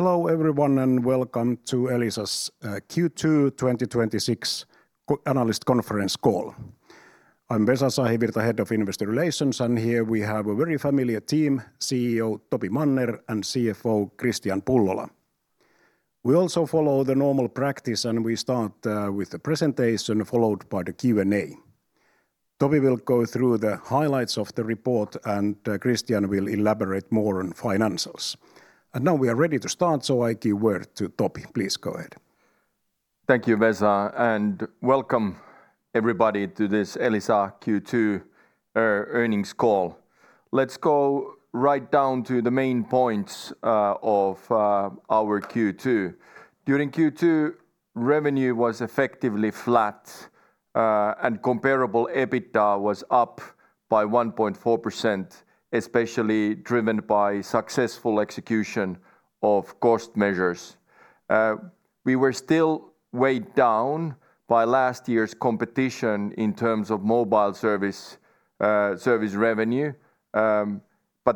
Hello everyone, welcome to Elisa's Q2 2026 analyst conference call. I'm Vesa Sahivirta, head of investor relations, and here we have a very familiar team, CEO Topi Manner and CFO Kristian Pullola. We also follow the normal practice. We start with the presentation followed by the Q&A. Topi will go through the highlights of the report. Kristian will elaborate more on financials. Now we are ready to start, so I give word to Topi. Please go ahead. Thank you, Vesa. Welcome everybody to this Elisa Q2 earnings call. Let's go right down to the main points of our Q2. During Q2, revenue was effectively flat. Comparable EBITDA was up by 1.4%, especially driven by successful execution of cost measures. We were still weighed down by last year's competition in terms of mobile service revenue.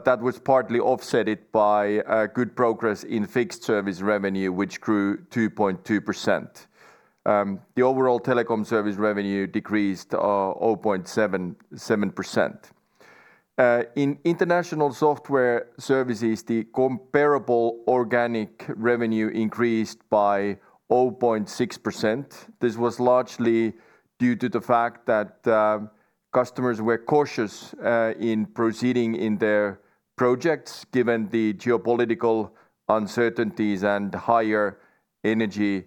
That was partly offset by a good progress in fixed service revenue, which grew 2.2%. The overall telecom service revenue decreased 0.77%. In international software services, the comparable organic revenue increased by 0.6%. This was largely due to the fact that customers were cautious in proceeding in their projects given the geopolitical uncertainties and higher energy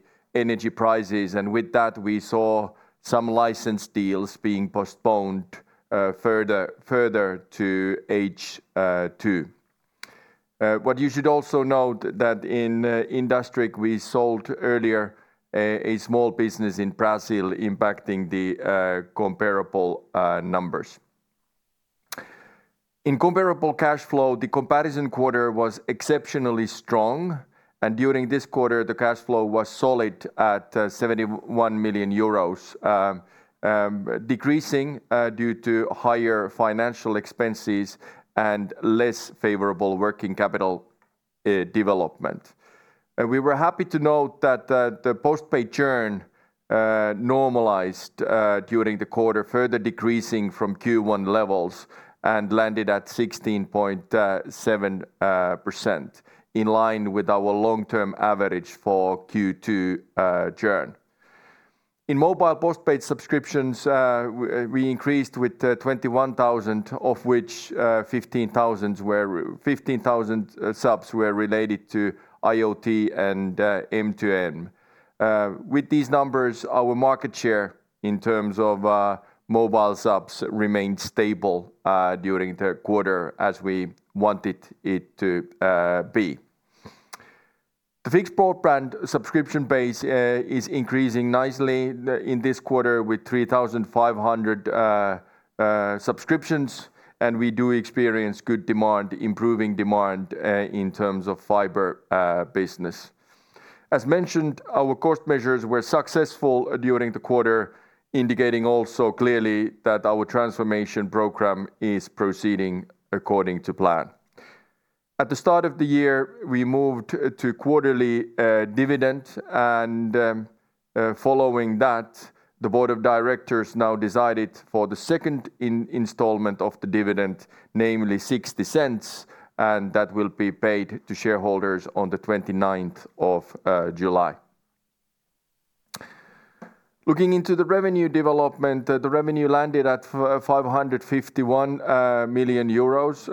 prices. With that, we saw some license deals being postponed further to H2. What you should also note that in Industriq, we sold earlier a small business in Brazil impacting the comparable numbers. In comparable cash flow, the comparison quarter was exceptionally strong. During this quarter, the cash flow was solid at 71 million euros, decreasing due to higher financial expenses and less favorable working capital development. We were happy to note that the post-paid churn normalized during the quarter, further decreasing from Q1 levels and landed at 16.7%, in line with our long-term average for Q2 churn. In mobile post-paid subscriptions, we increased with 21,000, of which 15,000 subs were related to IoT and M2M. With these numbers, our market share in terms of mobile subs remained stable during the quarter as we wanted it to be. The fixed broadband subscription base is increasing nicely in this quarter with 3,500 subscriptions. We do experience good demand, improving demand in terms of fiber business. As mentioned, our cost measures were successful during the quarter, indicating also clearly that our transformation program is proceeding according to plan. At the start of the year, we moved to quarterly dividend. Following that, the board of directors now decided for the second installment of the dividend, namely 0.60, and that will be paid to shareholders on the 29th of July. Looking into the revenue development, the revenue landed at 551 million euros.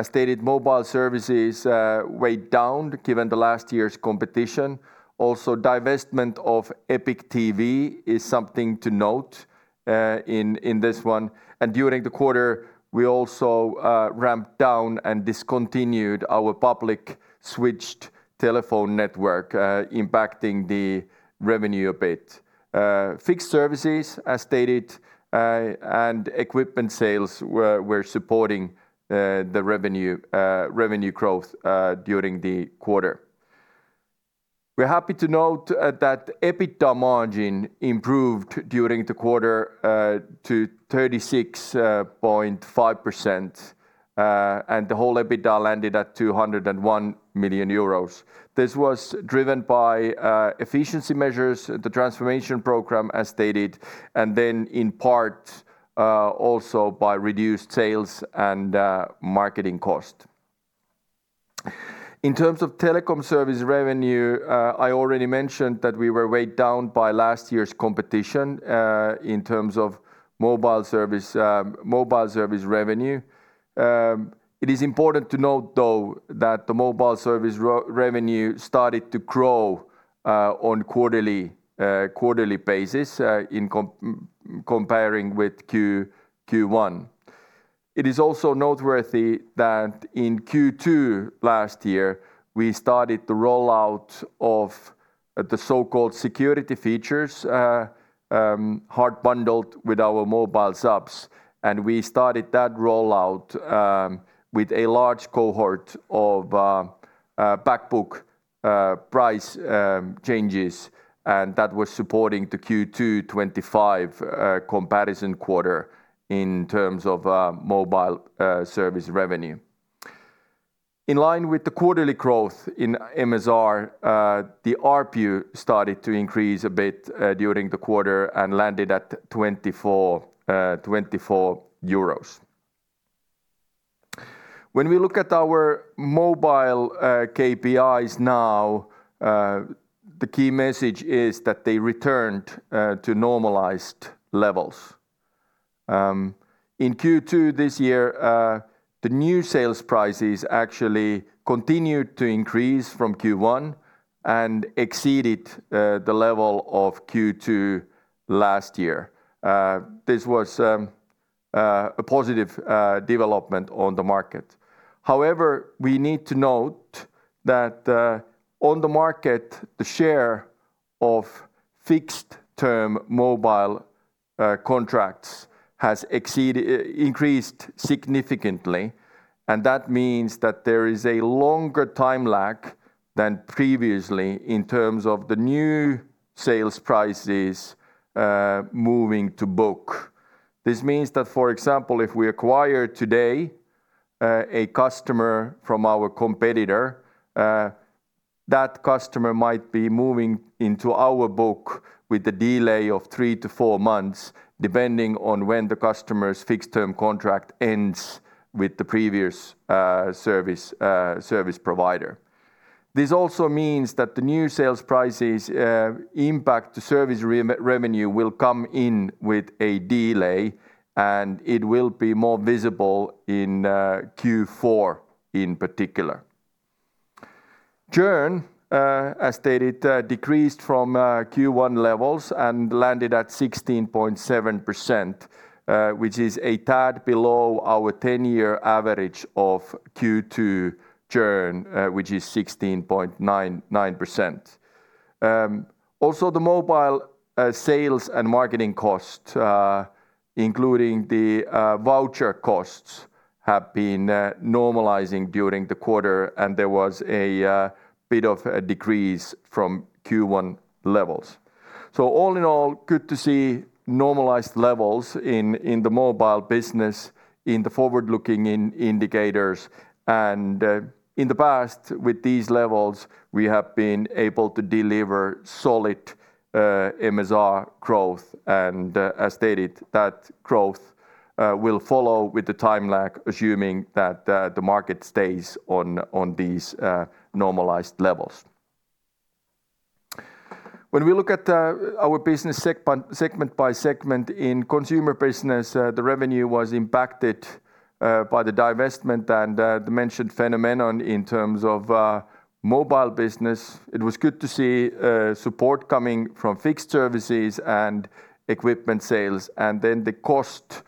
As stated, mobile services weighed down given the last year's competition. Also, divestment of EpicTV is something to note in this one. During the quarter, we also ramped down and discontinued our public switched telephone network, impacting the revenue a bit. Fixed services, as stated. Equipment sales were supporting the revenue growth during the quarter. We're happy to note that EBITDA margin improved during the quarter to 36.5%, and the whole EBITDA landed at 201 million euros. This was driven by efficiency measures, the transformation program, as stated, and then in part also by reduced sales and marketing cost. In terms of telecom service revenue, I already mentioned that we were weighed down by last year's competition in terms of mobile service revenue. It is important to note, though, that the mobile service revenue started to grow on quarterly basis in comparing with Q1. It is also noteworthy that in Q2 last year, we started the rollout of the so-called security features hard bundled with our mobile subs, and we started that rollout with a large cohort of backbook price changes, and that was supporting the Q2 2025 comparison quarter in terms of mobile service revenue. In line with the quarterly growth in MSR, the ARPU started to increase a bit during the quarter and landed at 24 euros. When we look at our mobile KPIs now, the key message is that they returned to normalized levels. In Q2 this year, the new sales prices actually continued to increase from Q1 and exceeded the level of Q2 last year. This was a positive development on the market. However, we need to note that on the market, the share of fixed-term mobile contracts has increased significantly, and that means that there is a longer time lag than previously in terms of the new sales prices moving to book. This means that, for example, if we acquire today a customer from our competitor, that customer might be moving into our book with the delay of three to four months, depending on when the customer's fixed-term contract ends with the previous service provider. This also means that the new sales prices impact to service revenue will come in with a delay, and it will be more visible in Q4 in particular. Churn, as stated, decreased from Q1 levels and landed at 16.7%, which is a tad below our 10-year average of Q2 churn, which is 16.99%. The mobile sales and marketing costs, including the voucher costs, have been normalizing during the quarter, and there was a bit of a decrease from Q1 levels. All in all, good to see normalized levels in the mobile business in the forward-looking indicators. In the past, with these levels, we have been able to deliver solid MSR growth. As stated, that growth will follow with the time lag, assuming that the market stays on these normalized levels. When we look at our business segment by segment in consumer business, the revenue was impacted by the divestment and the mentioned phenomenon in terms of mobile business. It was good to see support coming from fixed services and equipment sales. The cost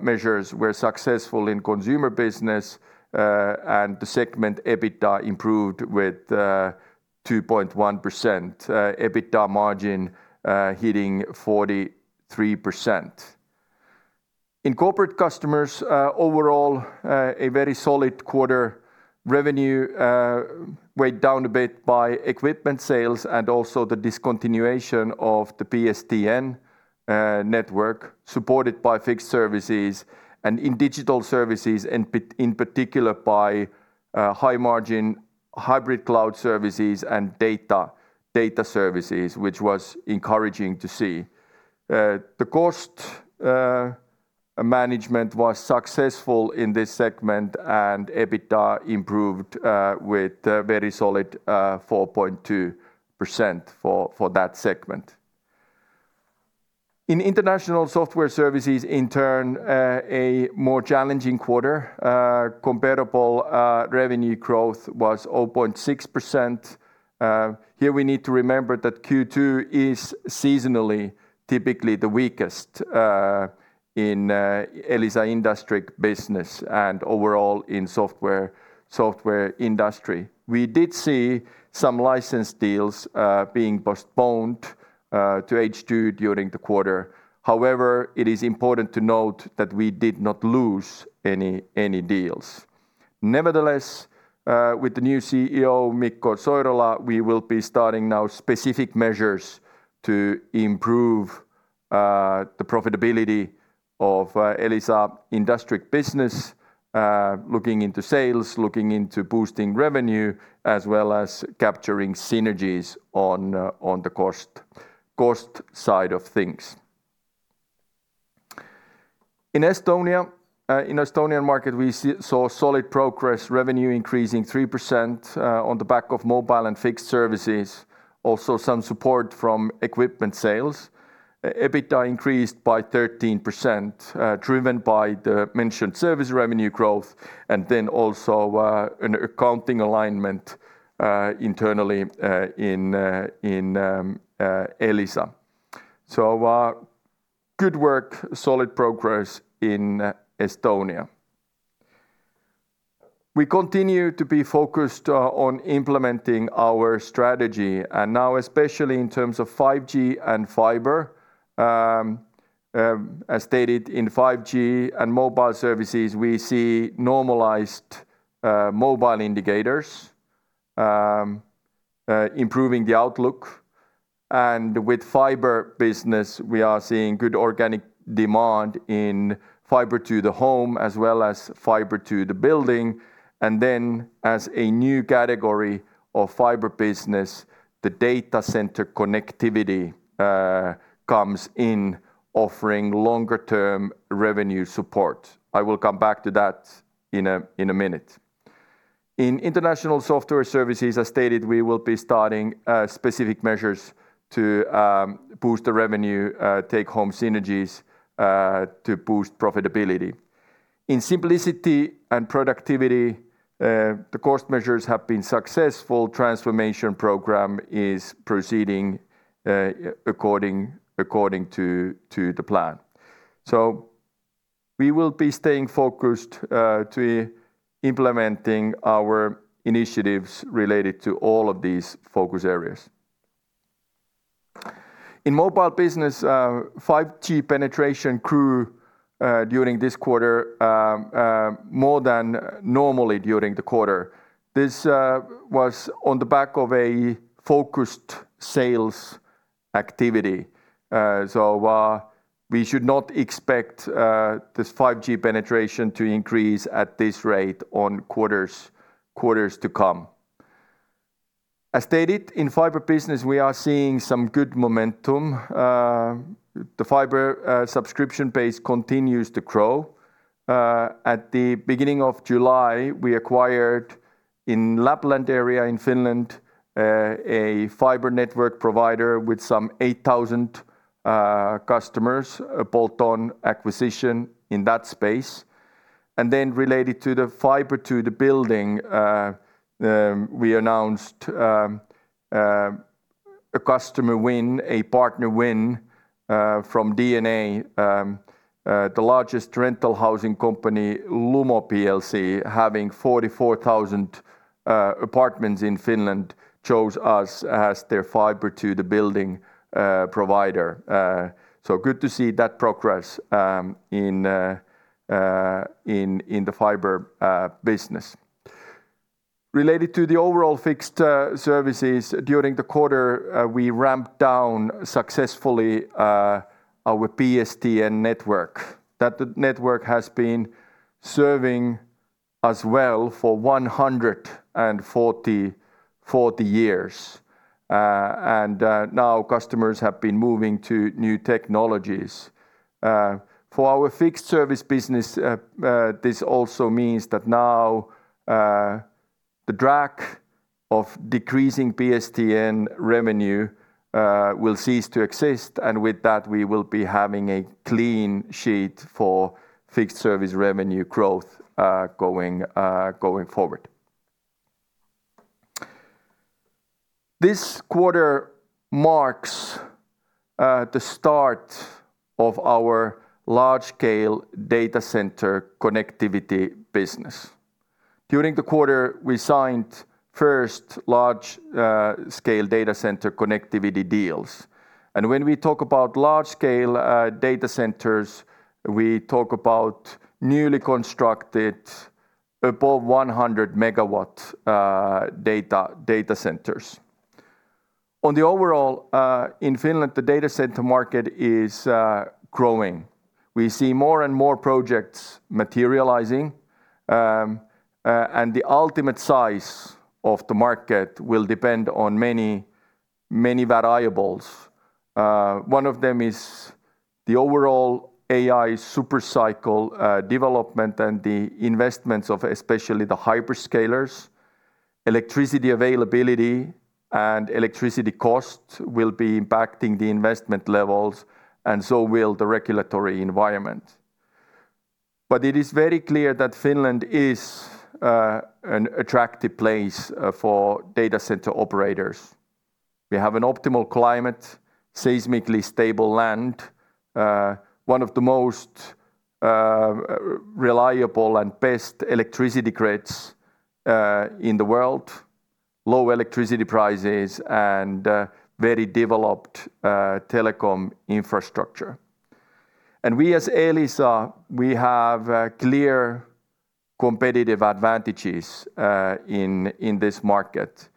measures were successful in consumer business, and the segment EBITDA improved with 2.1%, EBITDA margin hitting 43%. In corporate customers overall, a very solid quarter revenue weighed down a bit by equipment sales and also the discontinuation of the PSTN network supported by fixed services and in digital services and in particular by high-margin hybrid cloud services and data services, which was encouraging to see. The cost management was successful in this segment, and EBITDA improved with a very solid 4.2% for that segment. In international software services in turn, a more challenging quarter. Comparable revenue growth was 0.6%. Here we need to remember that Q2 is seasonally typically the weakest in Elisa Industriq business and overall in software industry. We did see some license deals being postponed to H2 during the quarter. It is important to note that we did not lose any deals. Nevertheless, with the new CEO, Mikko Soirola, we will be starting now specific measures to improve the profitability of Elisa Industriq business. Looking into sales, looking into boosting revenue, as well as capturing synergies on the cost side of things. In Estonian market, we saw solid progress, revenue increasing 3% on the back of mobile and fixed services. Some support from equipment sales. EBITDA increased by 13%, driven by the mentioned service revenue growth and also an accounting alignment internally in Elisa. Good work, solid progress in Estonia. We continue to be focused on implementing our strategy and now especially in terms of 5G and fiber. As stated in 5G and mobile services, we see normalized mobile indicators improving the outlook. With fiber business, we are seeing good organic demand in fiber to the home, as well as fiber to the building. Then as a new category of fiber business, the data center connectivity comes in offering longer-term revenue support. I will come back to that in a minute. In International Software Services, as stated, we will be starting specific measures to boost the revenue take-home synergies to boost profitability. In simplicity and productivity, the cost measures have been successful. Transformation program is proceeding according to the plan. We will be staying focused to implementing our initiatives related to all of these focus areas. In mobile business, 5G penetration grew during this quarter more than normally during the quarter. This was on the back of a focused sales activity. We should not expect this 5G penetration to increase at this rate on quarters to come. As stated, in fiber business, we are seeing some good momentum. The fiber subscription base continues to grow. At the beginning of July, we acquired in Lapland area in Finland a fiber network provider with some 8,000 customers, a bolt-on acquisition in that space. Then related to the fiber to the building we announced a customer win, a partner win from DNA. The largest rental housing company, Lumo Plc, having 44,000 apartments in Finland chose us as their fiber to the building provider. Good to see that progress in the fiber business. Related to the overall fixed services during the quarter, we ramped down successfully our PSTN network. That network has been serving us well for 140 years. Now customers have been moving to new technologies. For our fixed service business this also means that now the drag of decreasing PSTN revenue will cease to exist. With that, we will be having a clean sheet for fixed service revenue growth going forward. This quarter marks the start of our large-scale data center connectivity business. During the quarter, we signed first large-scale data center connectivity deals. When we talk about large-scale data centers, we talk about newly constructed above 100 MW data centers. On the overall in Finland, the data center market is growing. We see more and more projects materializing. The ultimate size of the market will depend on many variables. One of them is the overall AI super cycle development and the investments of especially the hyperscalers. Electricity availability and electricity costs will be impacting the investment levels. So will the regulatory environment. It is very clear that Finland is an attractive place for data center operators. We have an optimal climate, seismically stable land, one of the most reliable and best electricity grids in the world, low electricity prices and very developed telecom infrastructure. We as Elisa, we have clear competitive advantages in this market.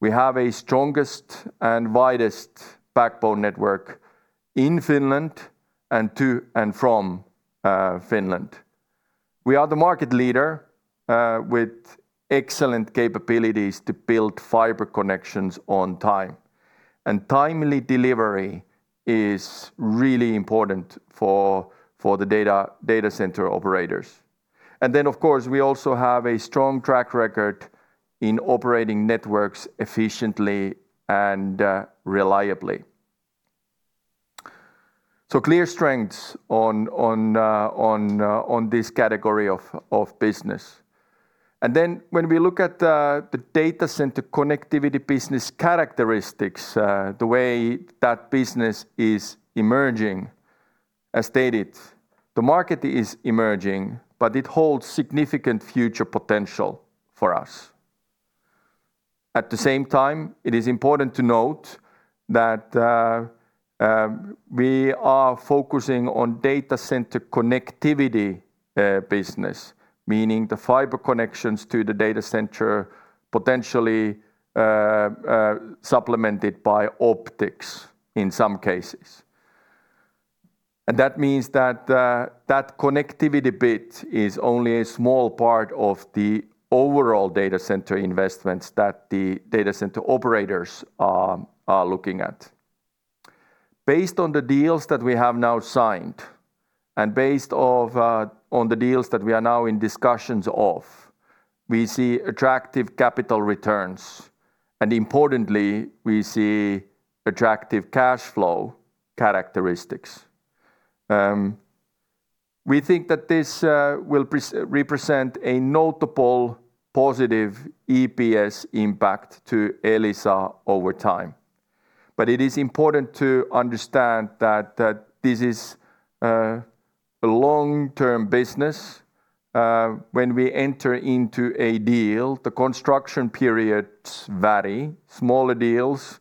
We have a strongest and widest backbone network in Finland and to and from Finland. We are the market leader with excellent capabilities to build fiber connections on time. Timely delivery is really important for the data center operators. Of course, we also have a strong track record in operating networks efficiently and reliably. Clear strengths on this category of business. When we look at the data center connectivity business characteristics, the way that business is emerging, as stated, the market is emerging, but it holds significant future potential for us. At the same time, it is important to note that we are focusing on data center connectivity business. Meaning, the fiber connections to the data center potentially supplemented by optics in some cases. That means that connectivity bit is only a small part of the overall data center investments that the data center operators are looking at. Based on the deals that we have now signed and based on the deals that we are now in discussions of, we see attractive capital returns and importantly, we see attractive cash flow characteristics. We think that this will represent a notable positive EPS impact to Elisa over time. It is important to understand that this is a long-term business. When we enter into a deal, the construction periods vary. Smaller deals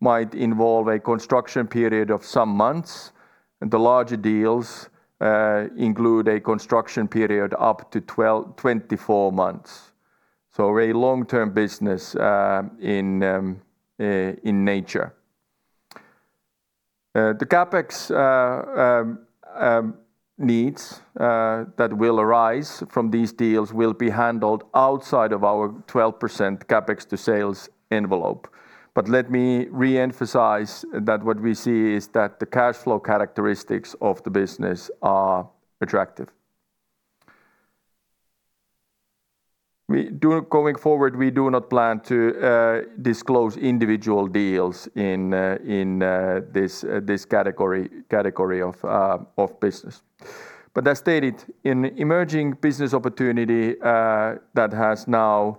might involve a construction period of some months, and the larger deals include a construction period up to 24 months. A very long-term business in nature. The CapEx needs that will arise from these deals will be handled outside of our 12% CapEx to sales envelope. Let me re-emphasize that what we see is that the cash flow characteristics of the business are attractive. Going forward, we do not plan to disclose individual deals in this category of business. As stated, an emerging business opportunity that has now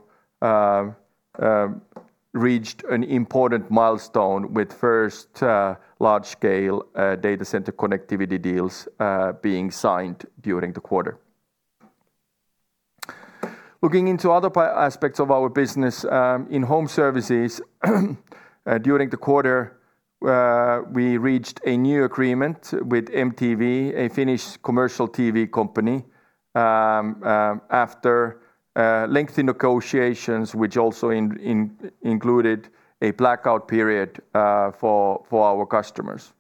reached an important milestone with first large-scale data center connectivity deals being signed during the quarter. Looking into other aspects of our business, in home services during the quarter, we reached a new agreement with MTV, a Finnish commercial TV company, after lengthy negotiations which also included a blackout period for our customers.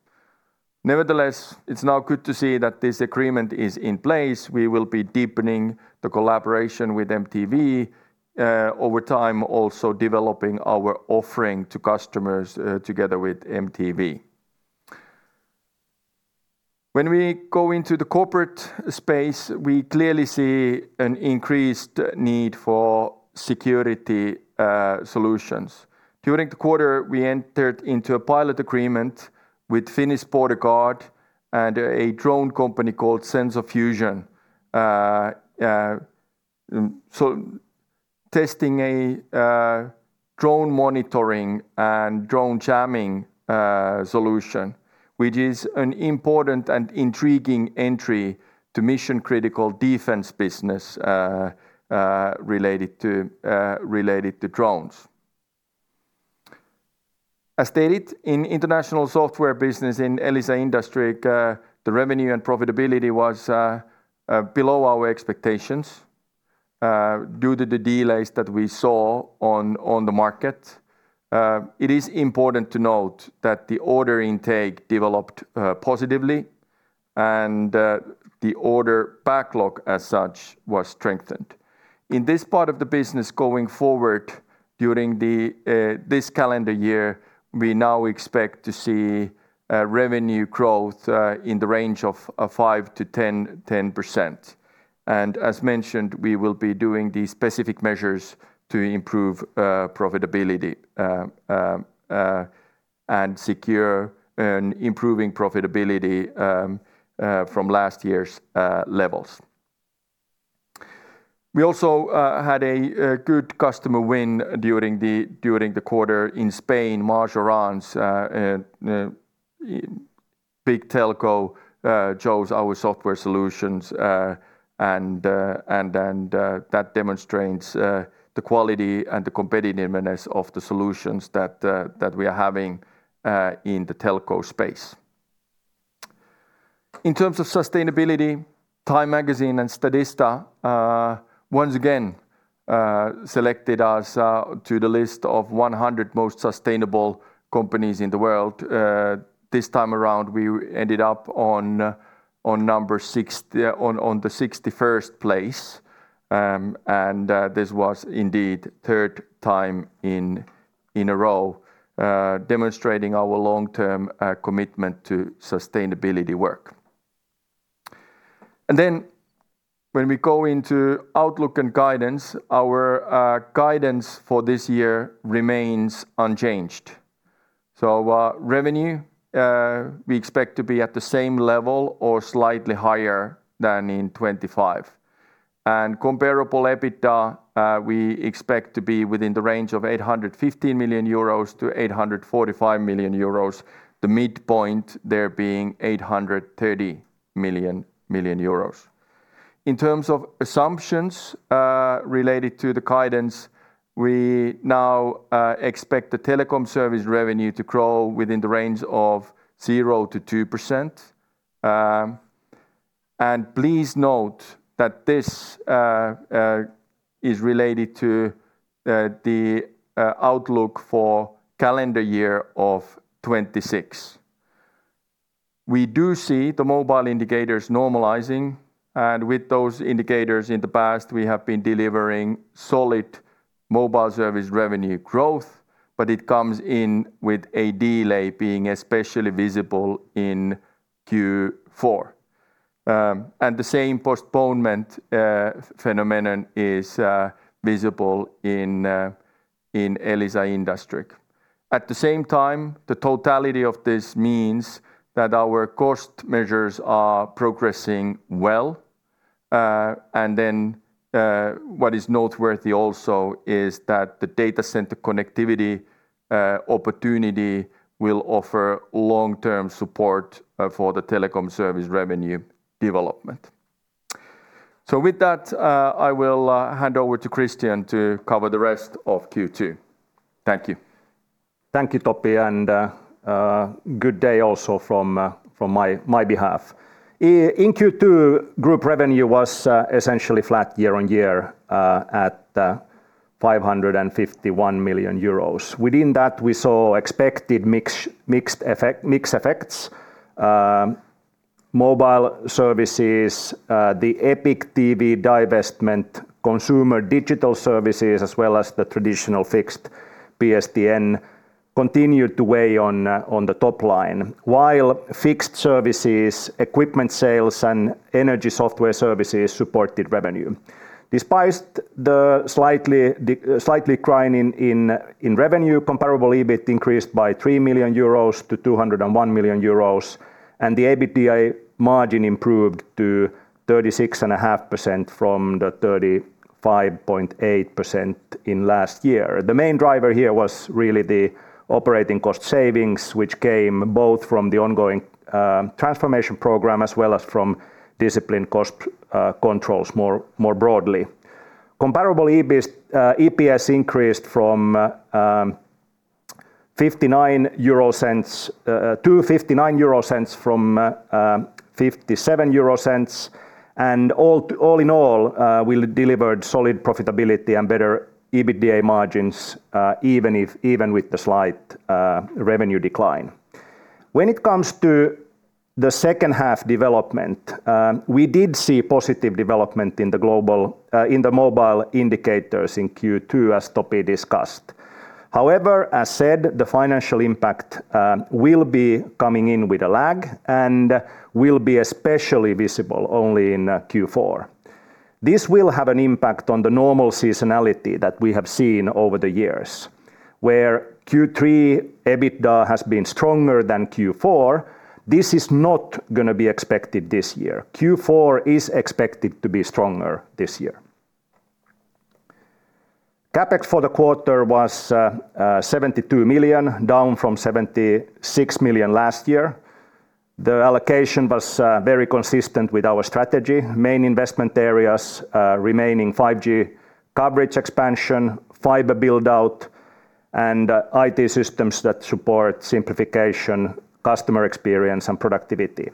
Nevertheless, it's now good to see that this agreement is in place. We will be deepening the collaboration with MTV over time, also developing our offering to customers together with MTV. When we go into the corporate space, we clearly see an increased need for security solutions. During the quarter, we entered into a pilot agreement with Finnish Border Guard and a drone company called Sensofusion. Testing a drone monitoring and drone jamming solution, which is an important and intriguing entry to mission-critical defense business related to drones. As stated, in international software business in Elisa Industriq, the revenue and profitability was below our expectations due to the delays that we saw on the market. It is important to note that the order intake developed positively and the order backlog as such was strengthened. In this part of the business going forward, during this calendar year, we now expect to see revenue growth in the range of 5%-10%. As mentioned, we will be doing the specific measures to improve profitability and secure improving profitability from last year's levels. We also had a good customer win during the quarter in Spain, MasOrange, a big telco, chose our software solutions, and that demonstrates the quality and the competitiveness of the solutions that we are having in the telco space. In terms of sustainability, Time Magazine and Statista once again selected us to the list of 100 most sustainable companies in the world. This time around, we ended up on the 61st place. This was indeed third time in a row demonstrating our long-term commitment to sustainability work. When we go into outlook and guidance, our guidance for this year remains unchanged. Revenue we expect to be at the same level or slightly higher than in 2025. Comparable EBITDA we expect to be within the range of 815 million-845 million euros. The midpoint there being 830 million. In terms of assumptions related to the guidance, we now expect the telecom service revenue to grow within the range of 0%-2%. Please note that this is related to the outlook for calendar year of 2026. We do see the mobile indicators normalizing, and with those indicators in the past, we have been delivering solid mobile service revenue growth, but it comes in with a delay being especially visible in Q4. The same postponement phenomenon is visible in Elisa Industriq. At the same time, the totality of this means that our cost measures are progressing well. What is noteworthy also is that the data center connectivity opportunity will offer long-term support for the telecom service revenue development. With that, I will hand over to Kristian to cover the rest of Q2. Thank you. Thank you, Topi, and good day also from my behalf. In Q2, group revenue was essentially flat year-over-year at 551 million euros. Within that, we saw expected mix effects. Mobile services, the EpicTV divestment, consumer digital services, as well as the traditional fixed PSTN continued to weigh on the top line, while fixed services, equipment sales, and energy software services supported revenue. Despite the slight decline in revenue, comparable EBIT increased by 3 million euros to 201 million euros, and the EBITDA margin improved to 36.5% from the 35.8% in last year. The main driver here was really the operating cost savings, which came both from the ongoing transformation program as well as from disciplined cost controls more broadly. Comparable EPS increased to 0.59 from 0.57. All in all, we delivered solid profitability and better EBITDA margins, even with the slight revenue decline. When it comes to the second half development, we did see positive development in the mobile indicators in Q2, as Topi discussed. However, as said, the financial impact will be coming in with a lag and will be especially visible only in Q4. This will have an impact on the normal seasonality that we have seen over the years. Where Q3 EBITDA has been stronger than Q4, this is not going to be expected this year. Q4 is expected to be stronger this year. CapEx for the quarter was 72 million, down from 76 million last year. The allocation was very consistent with our strategy. Main investment areas remaining 5G coverage expansion, fiber build-out, and IT systems that support simplification, customer experience, and productivity.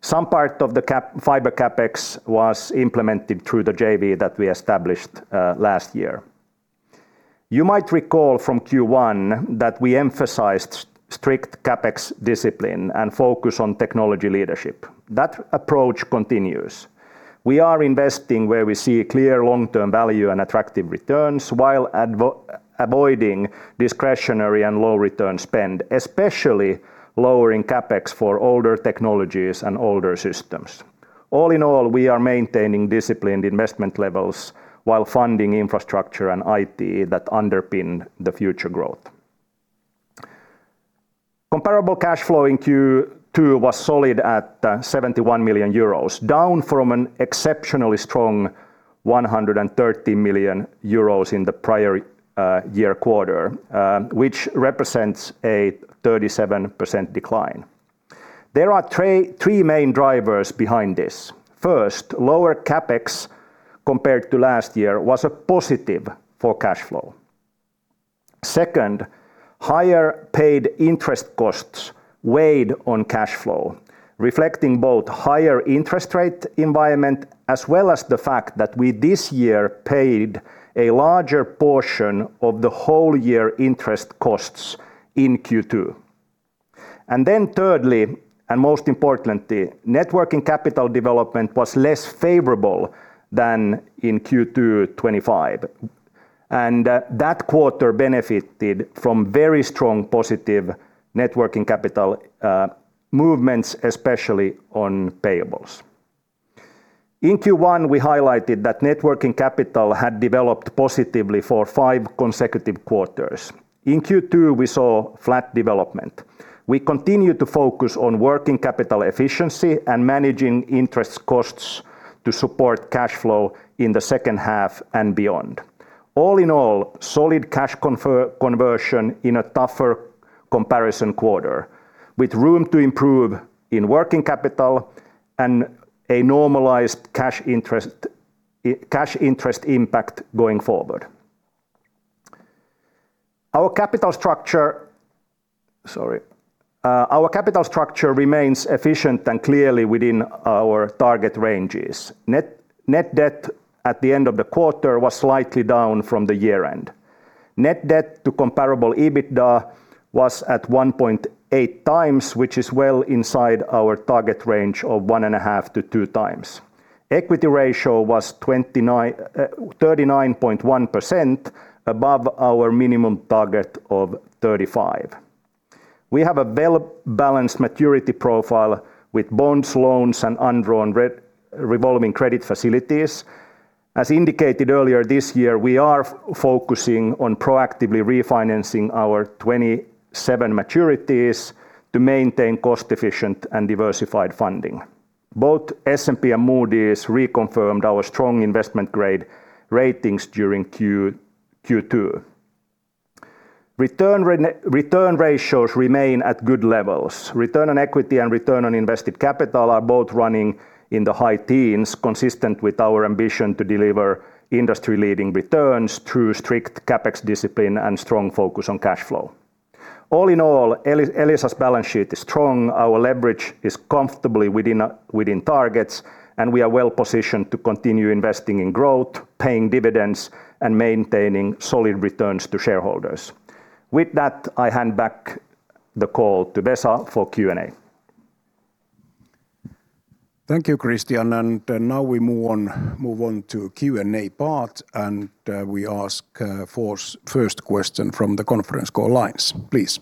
Some part of the fiber CapEx was implemented through the JV that we established last year. You might recall from Q1 that we emphasized strict CapEx discipline and focus on technology leadership. That approach continues. We are investing where we see clear long-term value and attractive returns while avoiding discretionary and low return spend, especially lowering CapEx for older technologies and older systems. All in all, we are maintaining disciplined investment levels while funding infrastructure and IT that underpin the future growth. Comparable cash flow in Q2 was solid at 71 million euros, down from an exceptionally strong 130 million euros in the prior year quarter, which represents a 37% decline. There are three main drivers behind this. First, lower CapEx compared to last year was a positive for cash flow. Second, higher paid interest costs weighed on cash flow, reflecting both higher interest rate environment as well as the fact that we this year paid a larger portion of the whole year interest costs in Q2. And then thirdly, and most importantly, networking capital development was less favorable than in Q2 2025. And that quarter benefited from very strong positive networking capital movements, especially on payables. In Q1, we highlighted that networking capital had developed positively for five consecutive quarters. In Q2, we saw flat development. We continue to focus on working capital efficiency and managing interest costs to support cash flow in the second half and beyond. All in all, solid cash conversion in a tougher comparison quarter, with room to improve in working capital and a normalized cash interest impact going forward. Our capital structure remains efficient and clearly within our target ranges. Net debt at the end of the quarter was slightly down from the year-end. Net debt to comparable EBITDA was at 1.8x, which is well inside our target range of 1.5x-2x. Equity ratio was 39.1%, above our minimum target of 35%. We have a well-balanced maturity profile with bonds, loans, and undrawn revolving credit facilities. As indicated earlier this year, we are focusing on proactively refinancing our 2027 maturities to maintain cost-efficient and diversified funding. Both S&P and Moody's reconfirmed our strong investment-grade ratings during Q2. Return ratios remain at good levels. Return on equity and return on invested capital are both running in the high teens, consistent with our ambition to deliver industry-leading returns through strict CapEx discipline and strong focus on cash flow. All in all, Elisa's balance sheet is strong, our leverage is comfortably within targets, and we are well-positioned to continue investing in growth, paying dividends, and maintaining solid returns to shareholders. With that, I hand back the call to Vesa for Q&A. Thank you, Kristian. Now we move on to Q&A part. We ask first question from the conference call lines, please.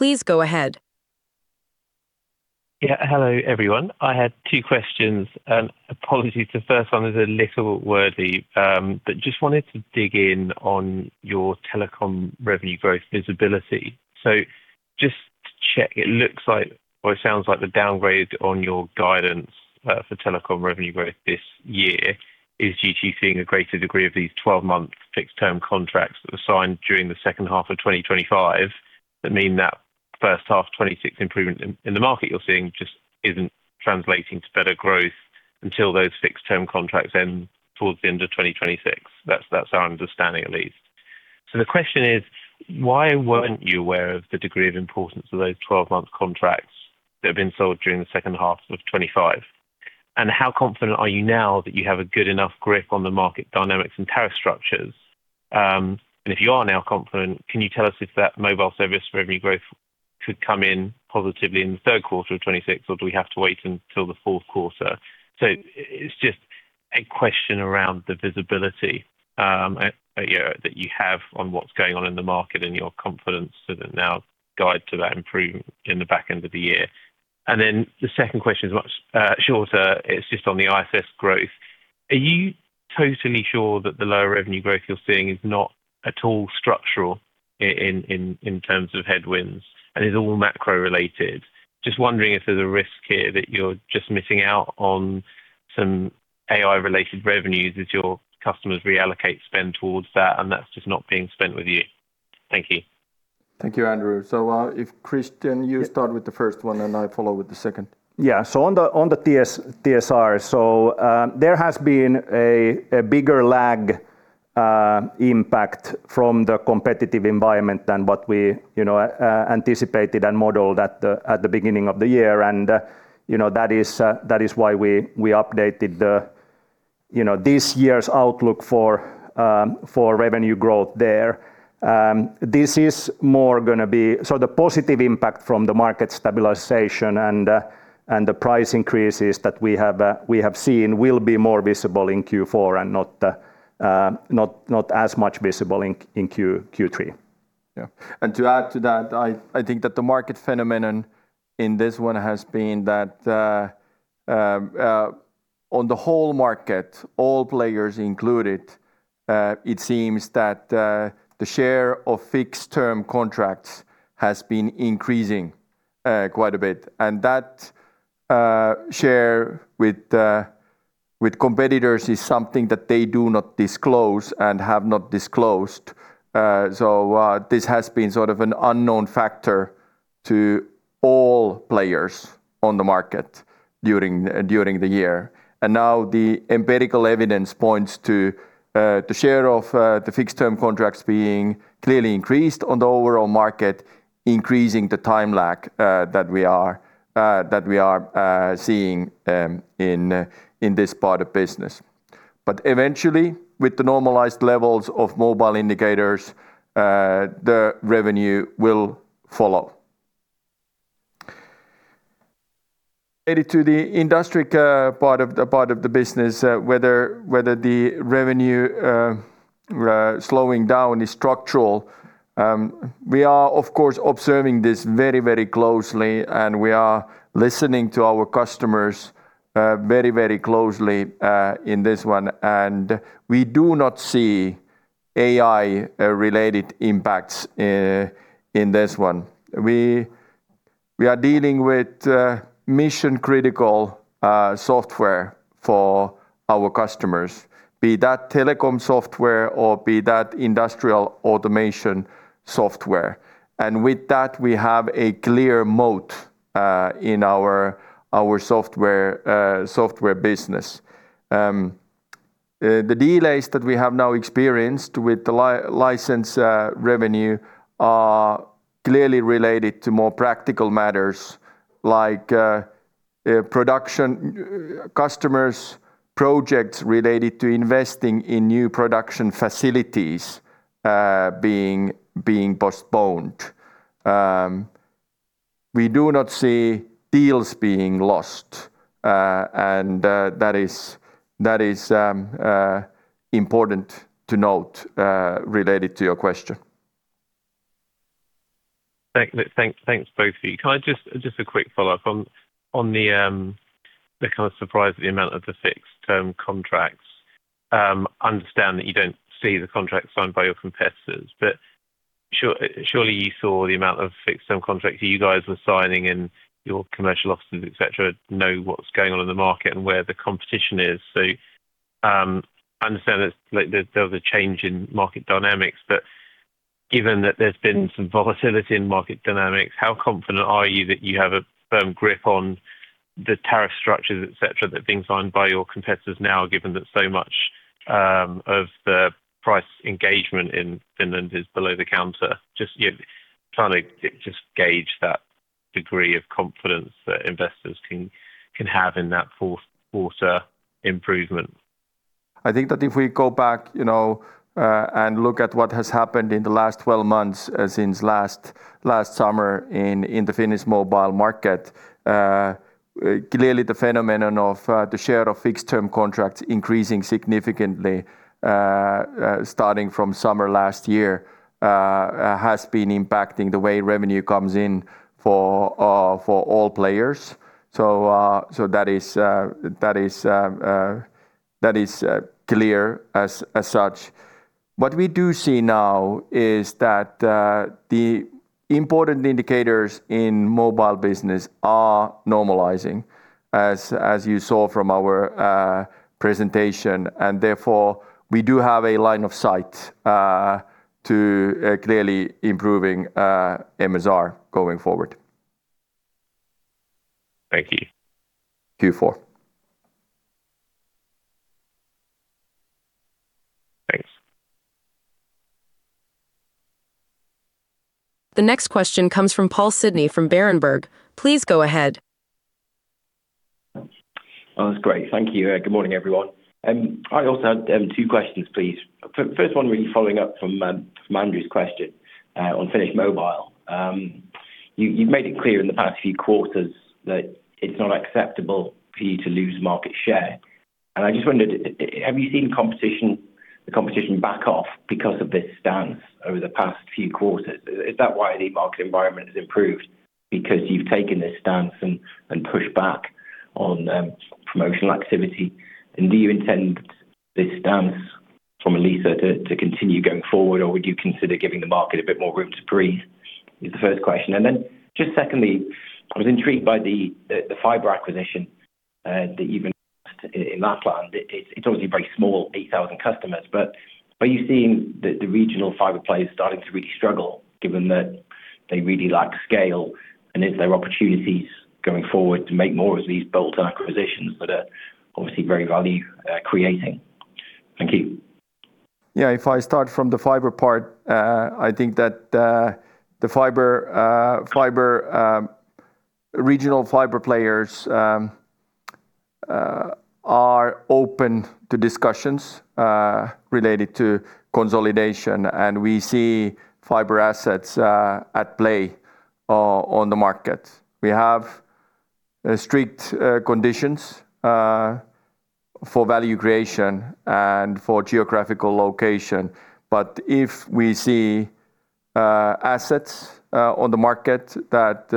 Please go ahead. Hello, everyone. I had two questions. Apologies, the first one is a little wordy. Just wanted to dig in on your telecom revenue growth visibility. Just to check, it looks like or it sounds like the downgrade on your guidance for telecom revenue growth this year is due to you seeing a greater degree of these 12-month fixed-term contracts that were signed during the second half of 2025 that mean that first half 2026 improvement in the market you're seeing just isn't translating to better growth until those fixed-term contracts end towards the end of 2026. That's our understanding at least. The question is, why weren't you aware of the degree of importance of those 12-month contracts that have been sold during the second half of 2025? How confident are you now that you have a good enough grip on the market dynamics and tariff structures? If you are now confident, can you tell us if that mobile service revenue growth could come in positively in the third quarter of 2026, or do we have to wait until the fourth quarter? It's just a question around the visibility that you have on what's going on in the market and your confidence to now guide to that improvement in the back end of the year. The second question is much shorter. It's just on the ISS growth. Are you totally sure that the lower revenue growth you're seeing is not at all structural in terms of headwinds and is all macro-related? Just wondering if there's a risk here that you're just missing out on some AI-related revenues as your customers reallocate spend towards that, and that's just not being spent with you. Thank you. Thank you, Andrew. If Kristian, you start with the first one, and I follow with the second. On the TSR. There has been a bigger lag impact from the competitive environment than what we anticipated and modeled at the beginning of the year, and that is why we updated this year's outlook for revenue growth there. The positive impact from the market stabilization and the price increases that we have seen will be more visible in Q4 and not as much visible in Q3. To add to that, I think that the market phenomenon in this one has been that on the whole market, all players included, it seems that the share of fixed-term contracts has been increasing quite a bit, and that share with competitors is something that they do not disclose and have not disclosed. This has been sort of an unknown factor to all players on the market during the year. Now the empirical evidence points to the share of the fixed-term contracts being clearly increased on the overall market, increasing the time lag that we are seeing in this part of business. Eventually, with the normalized levels of mobile indicators, the revenue will follow. Added to the industry part of the business, whether the revenue slowing down is structural. We are, of course, observing this very closely, and we are listening to our customers very closely in this one. We do not see AI-related impacts in this one. We are dealing with mission-critical software for our customers, be that telecom software or be that industrial automation software. With that, we have a clear moat in our software business. The delays that we have now experienced with the license revenue are clearly related to more practical matters like production, customers, projects related to investing in new production facilities being postponed. We do not see deals being lost and that is important to note related to your question. Thanks both of you. Can I just a quick follow-up on the kind of surprise at the amount of the fixed-term contracts. Understand that you don't see the contracts signed by your competitors, but surely you saw the amount of fixed-term contracts that you guys were signing and your commercial officers, et cetera, know what's going on in the market and where the competition is. Understand there was a change in market dynamics, but given that there's been some volatility in market dynamics, how confident are you that you have a firm grip on the tariff structures et cetera, that are being signed by your competitors now, given that so much of the price engagement in Finland is below the counter? Just trying to just gauge that degree of confidence that investors can have in that fourth quarter improvement. I think that if we go back and look at what has happened in the last 12 months since last summer in the Finnish mobile market, clearly the phenomenon of the share of fixed-term contracts increasing significantly starting from summer last year, has been impacting the way revenue comes in for all players. That is clear as such. What we do see now is that the important indicators in mobile business are normalizing, as you saw from our presentation. Therefore, we do have a line of sight to clearly improving MSR going forward. Thank you. Q4. Thanks. The next question comes from Paul Sidney from Berenberg. Please go ahead. Oh, that's great. Thank you. Good morning, everyone. I also have two questions, please. First one really following up from Andrew's question on Finnish Mobile. You've made it clear in the past few quarters that it's not acceptable for you to lose market share. I just wondered, have you seen the competition back off because of this stance over the past few quarters? Is that why the market environment has improved? Because you've taken this stance and pushed back on promotional activity? Do you intend this stance from Elisa to continue going forward, or would you consider giving the market a bit more room to breathe? Is the first question. Then just secondly, I was intrigued by the fiber acquisition that you've announced in Lapland. It's obviously very small, 8,000 customers, but are you seeing the regional fiber players starting to really struggle given that they really lack scale? Is there opportunities going forward to make more of these bolt-on acquisitions that are obviously very value-creating? Thank you. Yeah. If I start from the fiber part, I think that the regional fiber players are open to discussions related to consolidation, and we see fiber assets at play on the market. We have strict conditions for value creation and for geographical location. If we see assets on the market that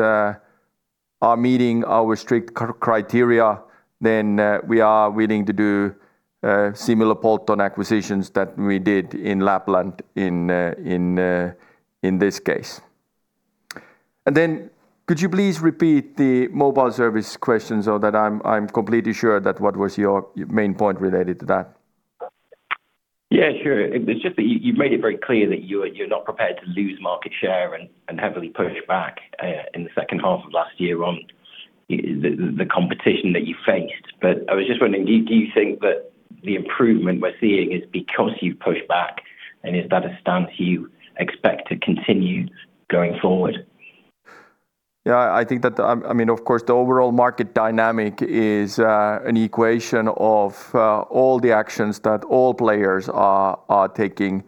are meeting our strict criteria, then we are willing to do similar bolt-on acquisitions that we did in Lapland in this case. Then could you please repeat the mobile service questions so that I'm completely sure that what was your main point related to that? Yeah, sure. It's just that you've made it very clear that you're not prepared to lose market share and heavily push back in the second half of last year on the competition that you faced. I was just wondering, do you think that the improvement we're seeing is because you've pushed back, and is that a stance you expect to continue going forward? Yeah. I think that, of course, the overall market dynamic is an equation of all the actions that all players are taking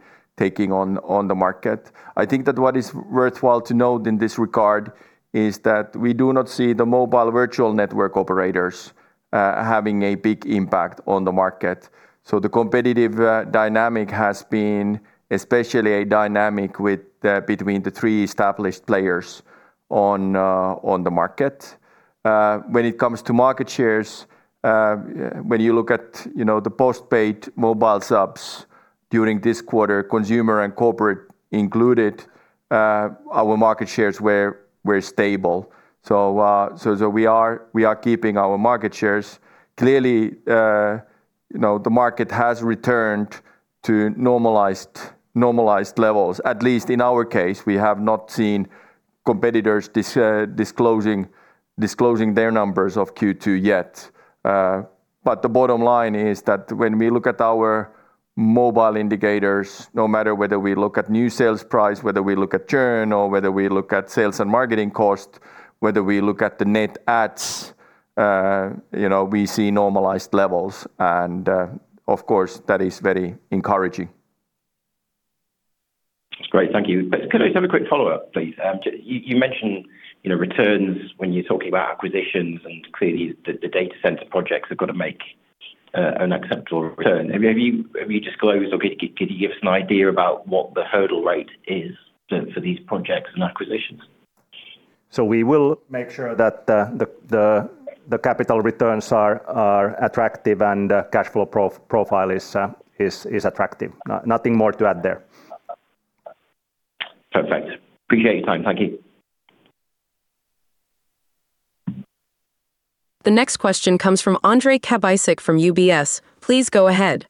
on the market. I think that what is worthwhile to note in this regard is that we do not see the mobile virtual network operators having a big impact on the market. The competitive dynamic has been especially a dynamic between the three established players on the market. When it comes to market shares, when you look at the post-paid mobile subs during this quarter, consumer and corporate included, our market shares were stable. We are keeping our market shares. Clearly, the market has returned to normalized levels. At least in our case, we have not seen competitors disclosing their numbers of Q2 yet. The bottom line is that when we look at our mobile indicators, no matter whether we look at new sales price, whether we look at churn, or whether we look at sales and marketing cost, whether we look at the net adds, we see normalized levels. Of course, that is very encouraging. That's great. Thank you. Could I just have a quick follow-up, please? You mentioned returns when you're talking about acquisitions, and clearly the data center projects have got to make an acceptable return. Have you disclosed or could you give us an idea about what the hurdle rate is for these projects and acquisitions? We will make sure that the capital returns are attractive and cash flow profile is attractive. Nothing more to add there. Perfect. Appreciate your time. Thank you. The next question comes from Ondrej Cabejsek from UBS. Please go ahead.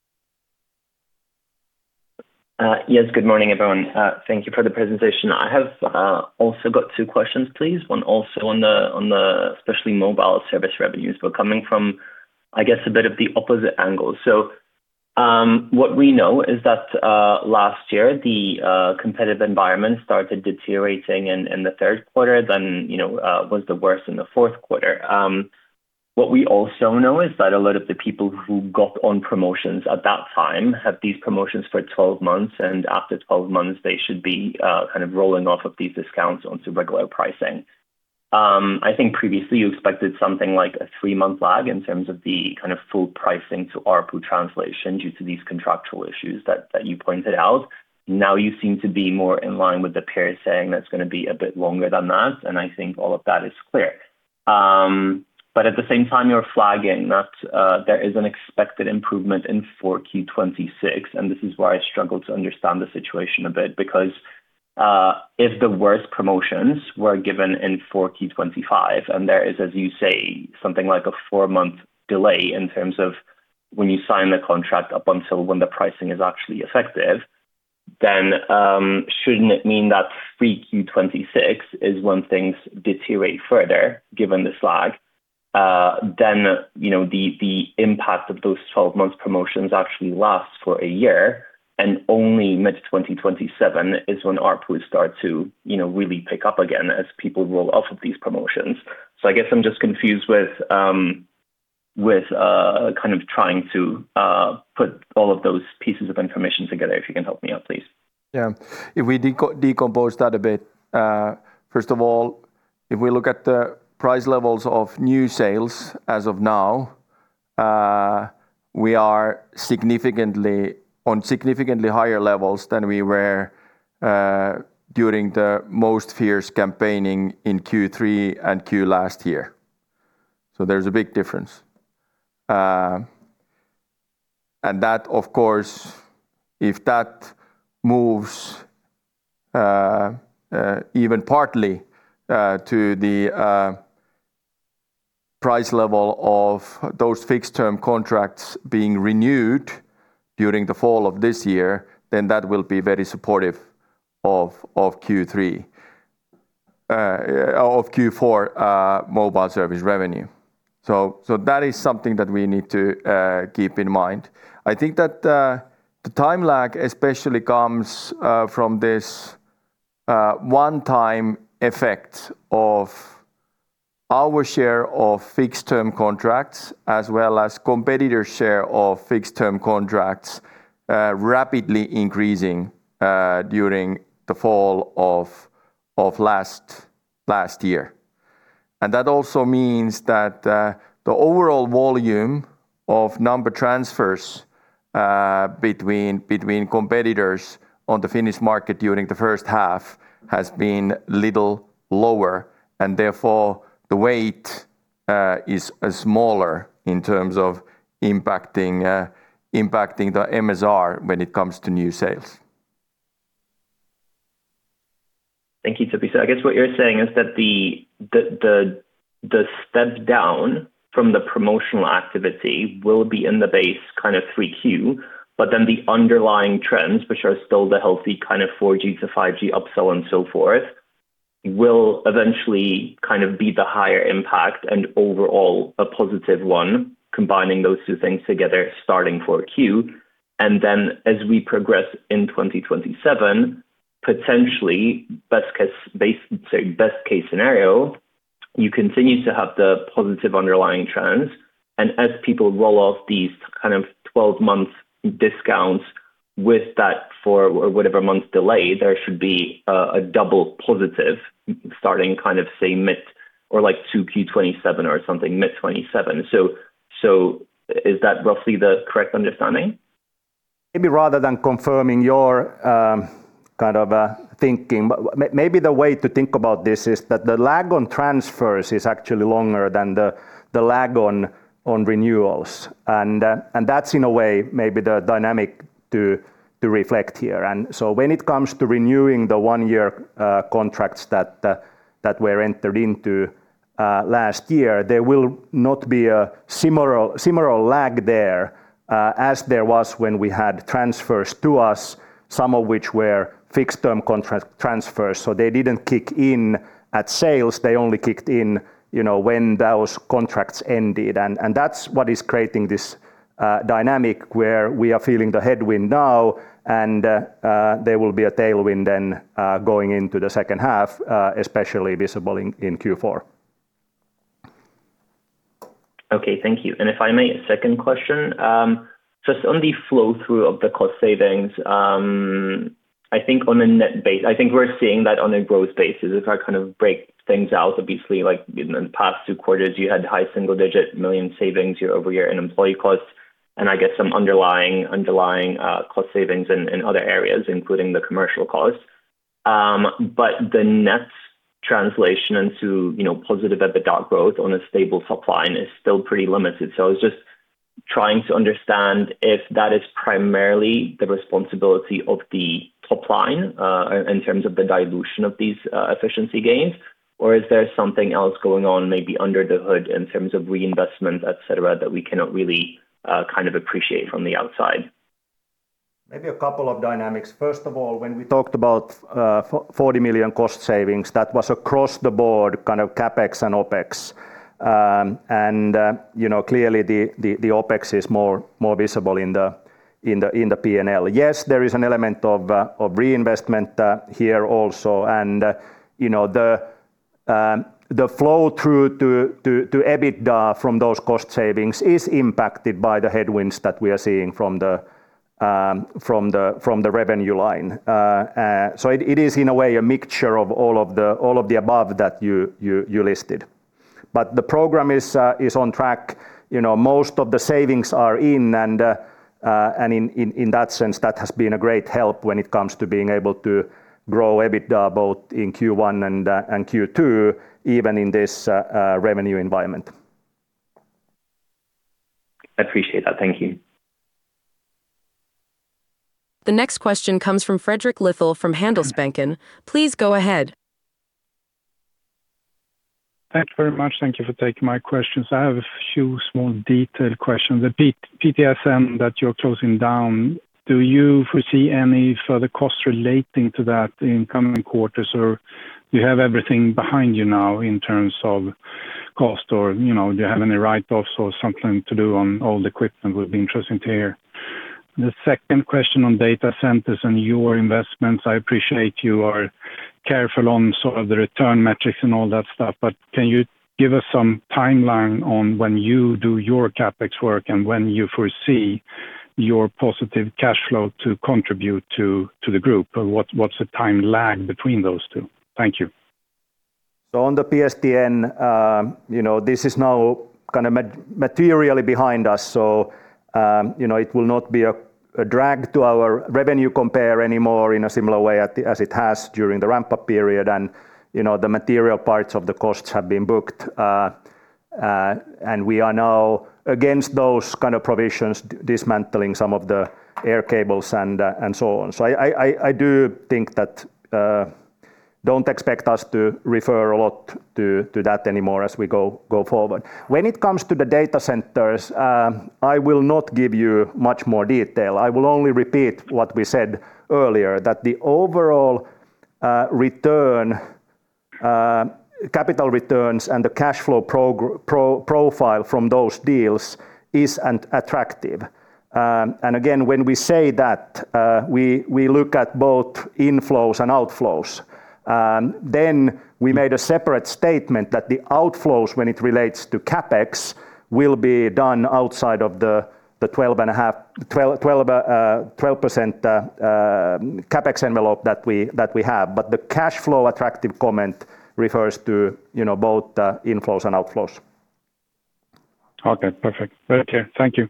Yes, good morning, everyone. Thank you for the presentation. I have also got two questions, please. One also on the especially mobile service revenues, but coming from, I guess, a bit of the opposite angle. What we know is that last year, the competitive environment started deteriorating in the third quarter, then was the worst in the fourth quarter. What we also know is that a lot of the people who got on promotions at that time had these promotions for 12 months, and after 12 months, they should be kind of rolling off of these discounts onto regular pricing. I think previously you expected something like a three-month lag in terms of the kind of full pricing to ARPU translation due to these contractual issues that you pointed out. You seem to be more in line with the peers saying that's going to be a bit longer than that, and I think all of that is clear. At the same time, you're flagging that there is an expected improvement in 4Q 2026, and this is where I struggle to understand the situation a bit. Because if the worst promotions were given in 4Q 2025, and there is, as you say, something like a four-month delay in terms of when you sign the contract up until when the pricing is actually effective, shouldn't it mean that 3Q 2026 is when things deteriorate further, given this lag? The impact of those 12-month promotions actually lasts for a year, and only mid-2027 is when ARPUs start to really pick up again as people roll off of these promotions. I guess I'm just confused with kind of trying to put all of those pieces of information together, if you can help me out, please. Yeah. If we decompose that a bit, first of all, if we look at the price levels of new sales as of now, we are on significantly higher levels than we were during the most fierce campaigning in Q3 and Q last year. There's a big difference. That, of course, if that moves even partly to the price level of those fixed-term contracts being renewed during the fall of this year, that will be very supportive of Q4 mobile service revenue. That is something that we need to keep in mind. I think that the time lag especially comes from this one-time effect of our share of fixed-term contracts, as well as competitor share of fixed-term contracts rapidly increasing during the fall of last year. That also means that the overall volume of number transfers between competitors on the Finnish market during the first half has been little lower, and therefore the weight is smaller in terms of impacting the MSR when it comes to new sales. Thank you, Topi. I guess what you're saying is that the step down from the promotional activity will be in the base kind of 3Q, then the underlying trends, which are still the healthy kind of 4G to 5G upsell and so forth, will eventually kind of be the higher impact and overall a positive one, combining those two things together starting 4Q. Then as we progress in 2027, potentially, best case scenario, you continue to have the positive underlying trends. As people roll off these kind of 12 months discounts With that for whatever months delay, there should be a double positive starting say mid or 2Q 2027 or something mid-2027. Is that roughly the correct understanding? Maybe rather than confirming your thinking, but maybe the way to think about this is that the lag on transfers is actually longer than the lag on renewals. That's in a way maybe the dynamic to reflect here. When it comes to renewing the one-year contracts that were entered into last year, there will not be a similar lag there as there was when we had transfers to us, some of which were fixed-term contract transfers. They didn't kick in at sales. They only kicked in when those contracts ended. That's what is creating this dynamic where we are feeling the headwind now and there will be a tailwind then going into the second half, especially visible in Q4. Okay. Thank you. If I may, second question. Just on the flow through of the cost savings, I think we're seeing that on a growth basis. If I break things out, obviously, in the past two quarters you had high single-digit million savings year-over-year in employee costs and I guess some underlying cost savings in other areas, including the commercial costs. The net translation into positive EBITDA growth on a stable top line is still pretty limited. I was just trying to understand if that is primarily the responsibility of the top line in terms of the dilution of these efficiency gains, or is there something else going on maybe under the hood in terms of reinvestment, et cetera, that we cannot really appreciate from the outside? Maybe a couple of dynamics. First of all, when we talked about 40 million cost savings, that was across the board, kind of CapEx and OpEx. Clearly the OpEx is more visible in the P&L. Yes, there is an element of reinvestment here also, and the flow through to EBITDA from those cost savings is impacted by the headwinds that we are seeing from the revenue line. It is in a way a mixture of all of the above that you listed. The program is on track. Most of the savings are in and in that sense, that has been a great help when it comes to being able to grow EBITDA both in Q1 and Q2, even in this revenue environment. I appreciate that. Thank you. The next question comes from Fredrik Lithell from Handelsbanken. Please go ahead. Thanks very much. Thank you for taking my questions. I have a few small detailed questions. The PSTN that you're closing down, do you foresee any further costs relating to that in coming quarters, or do you have everything behind you now in terms of cost? Or do you have any write-offs or something to do on old equipment? Would be interesting to hear. The second question on data centers and your investments, I appreciate you are careful on sort of the return metrics and all that stuff, but can you give us some timeline on when you do your CapEx work and when you foresee your positive cash flow to contribute to the group? What's the time lag between those two? Thank you. On the PSTN, this is now kind of materially behind us, so it will not be a drag to our revenue compare anymore in a similar way as it has during the ramp-up period. The material parts of the costs have been booked. We are now against those kind of provisions, dismantling some of the air cables and so on. I do think that don't expect us to refer a lot to that anymore as we go forward. When it comes to the data centers, I will not give you much more detail. I will only repeat what we said earlier, that the overall capital returns and the cash flow profile from those deals is attractive. Again, when we say that, we look at both inflows and outflows. We made a separate statement that the outflows, when it relates to CapEx, will be done outside of the 12% CapEx envelope that we have. The cash flow attractive comment refers to both inflows and outflows. Okay, perfect. Take care. Thank you.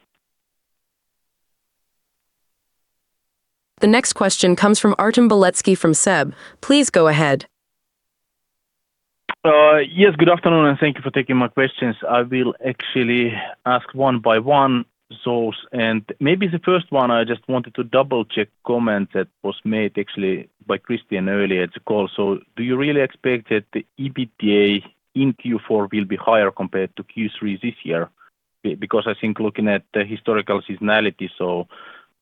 The next question comes from Artem Beletski from SEB. Please go ahead. Yes, good afternoon, and thank you for taking my questions. I will actually ask one by one. Maybe the first one I just wanted to double check comment that was made actually by Kristian earlier to call. Do you really expect that the EBITDA in Q4 will be higher compared to Q3 this year? Because I think looking at the historical seasonality, so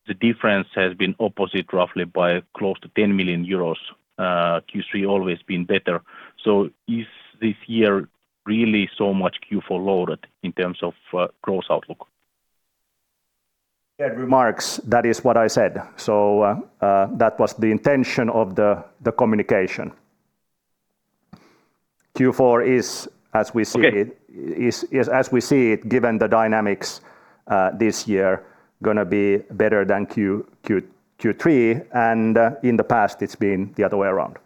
the difference has been opposite roughly by close to 10 million euros. Q3 always been better. Is this year really so much Q4 loaded in terms of growth outlook? Yeah. Remarks, that is what I said. That was the intention of the communication. Q4 is as we see it- Okay. As we see it, given the dynamics this year, going to be better than Q3, and in the past it's been the other way around.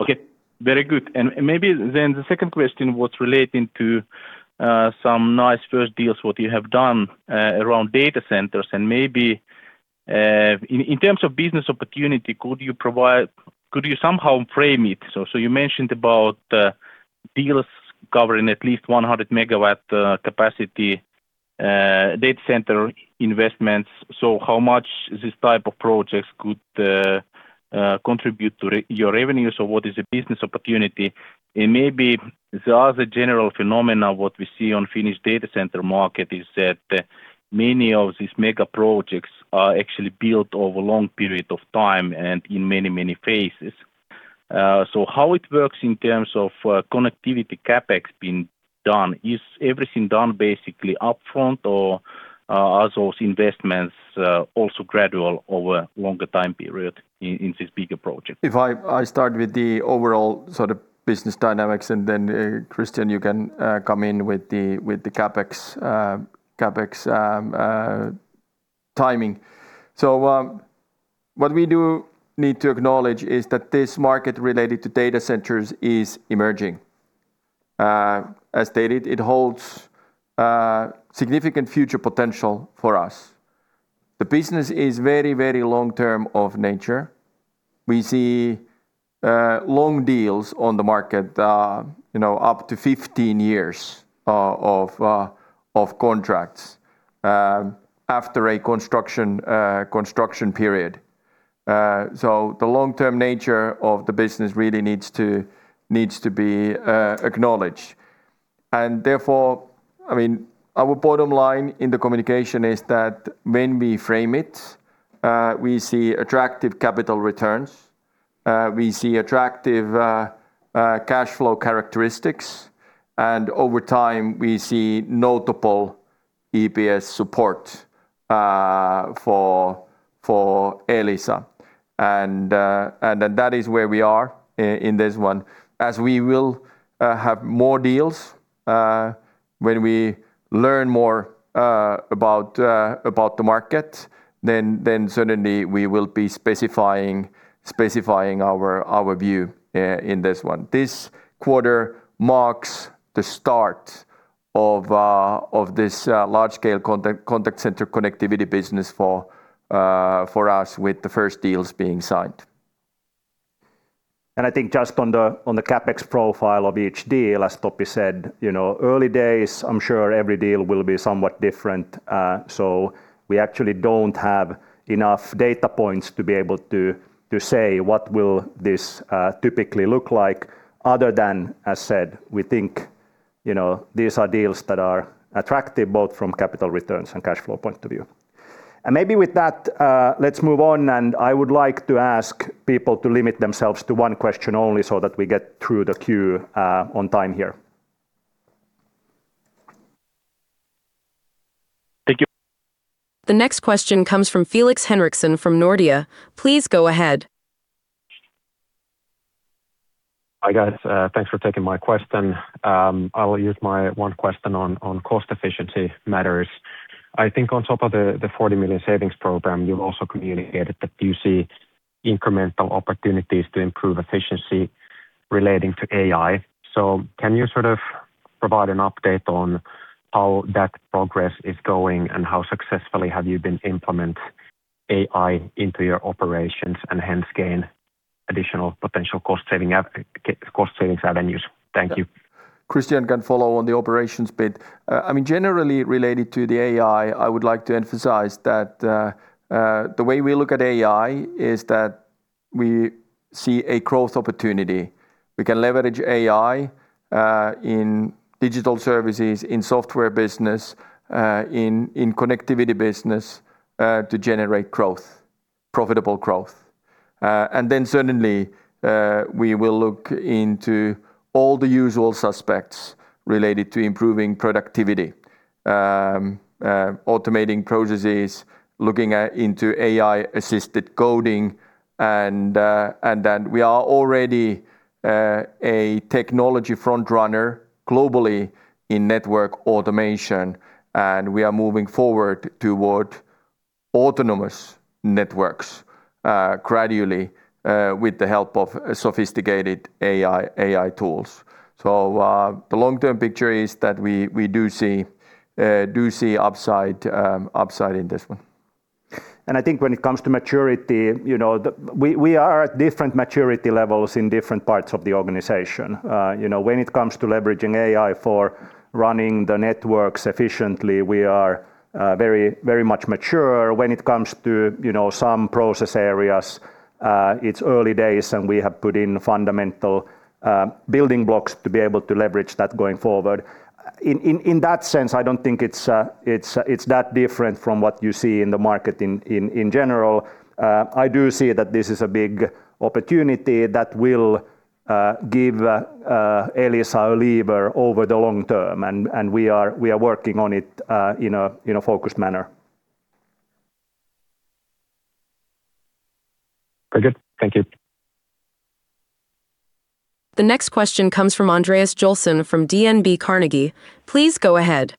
Okay. Very good. Maybe then the second question was relating to some nice first deals what you have done around data centers and maybe in terms of business opportunity could you somehow frame it? You mentioned about deals covering at least 100 MW capacity data center investments. How much this type of projects could contribute to your revenues, or what is the business opportunity? Maybe the other general phenomena what we see on Finnish data center market is that many of these mega projects are actually built over long period of time and in many phases. How it works in terms of connectivity CapEx being done? Is everything done basically upfront or are those investments also gradual over longer time period in this bigger project? If I start with the overall business dynamics, then Kristian, you can come in with the CapEx timing. What we do need to acknowledge is that this market related to data center is emerging. As stated, it holds significant future potential for us. The business is very long-term of nature. We see long deals on the market up to 15 years of contracts after a construction period. The long-term nature of the business really needs to be acknowledged. Therefore, our bottom line in the communication is that when we frame it, we see attractive capital returns. We see attractive cash flow characteristics, and over time, we see notable EPS support for Elisa. That is where we are in this one. We will have more deals, when we learn more about the market, certainly we will be specifying our view in this one. This quarter marks the start of this large-scale data center connectivity business for us with the first deals being signed. I think just on the CapEx profile of each deal, as Topi said, early days, I'm sure every deal will be somewhat different. We actually don't have enough data points to be able to say what will this typically look like other than, as said, we think these are deals that are attractive both from capital returns and cash flow point of view. Maybe with that, let's move on, and I would like to ask people to limit themselves to one question only that we get through the queue on time here. Thank you. The next question comes from Felix Henriksson from Nordea. Please go ahead. Hi, guys. Thanks for taking my question. I will use my one question on cost efficiency matters. I think on top of the 40 million savings program, you also communicated that you see incremental opportunities to improve efficiency relating to AI. Can you provide an update on how that progress is going and how successfully have you been implementing AI into your operations and hence gain additional potential cost savings avenues? Thank you. Kristian can follow on the operations bit. Generally related to the AI, I would like to emphasize that the way we look at AI is that we see a growth opportunity. We can leverage AI in digital services, in software business, in connectivity business to generate profitable growth. Certainly, we will look into all the usual suspects related to improving productivity, automating processes, looking into AI-assisted coding. We are already a technology front-runner globally in network automation, and we are moving forward toward autonomous networks gradually with the help of sophisticated AI tools. The long-term picture is that we do see upside in this one. I think when it comes to maturity, we are at different maturity levels in different parts of the organization. When it comes to leveraging AI for running the networks efficiently, we are very much mature. When it comes to some process areas it's early days, and we have put in fundamental building blocks to be able to leverage that going forward. In that sense, I don't think it's that different from what you see in the market in general. I do see that this is a big opportunity that will give Elisa a lever over the long term, and we are working on it in a focused manner. Very good. Thank you. The next question comes from Andreas Joelsson from DNB Carnegie. Please go ahead.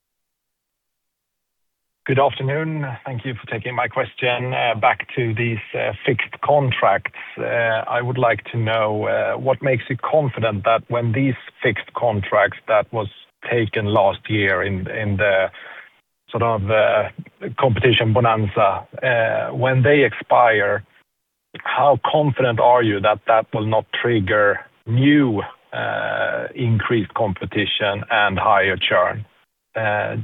Good afternoon. Thank you for taking my question. Back to these fixed contracts, I would like to know what makes you confident that when these fixed contracts that was taken last year in the competition bonanza, when they expire, how confident are you that that will not trigger new increased competition and higher churn?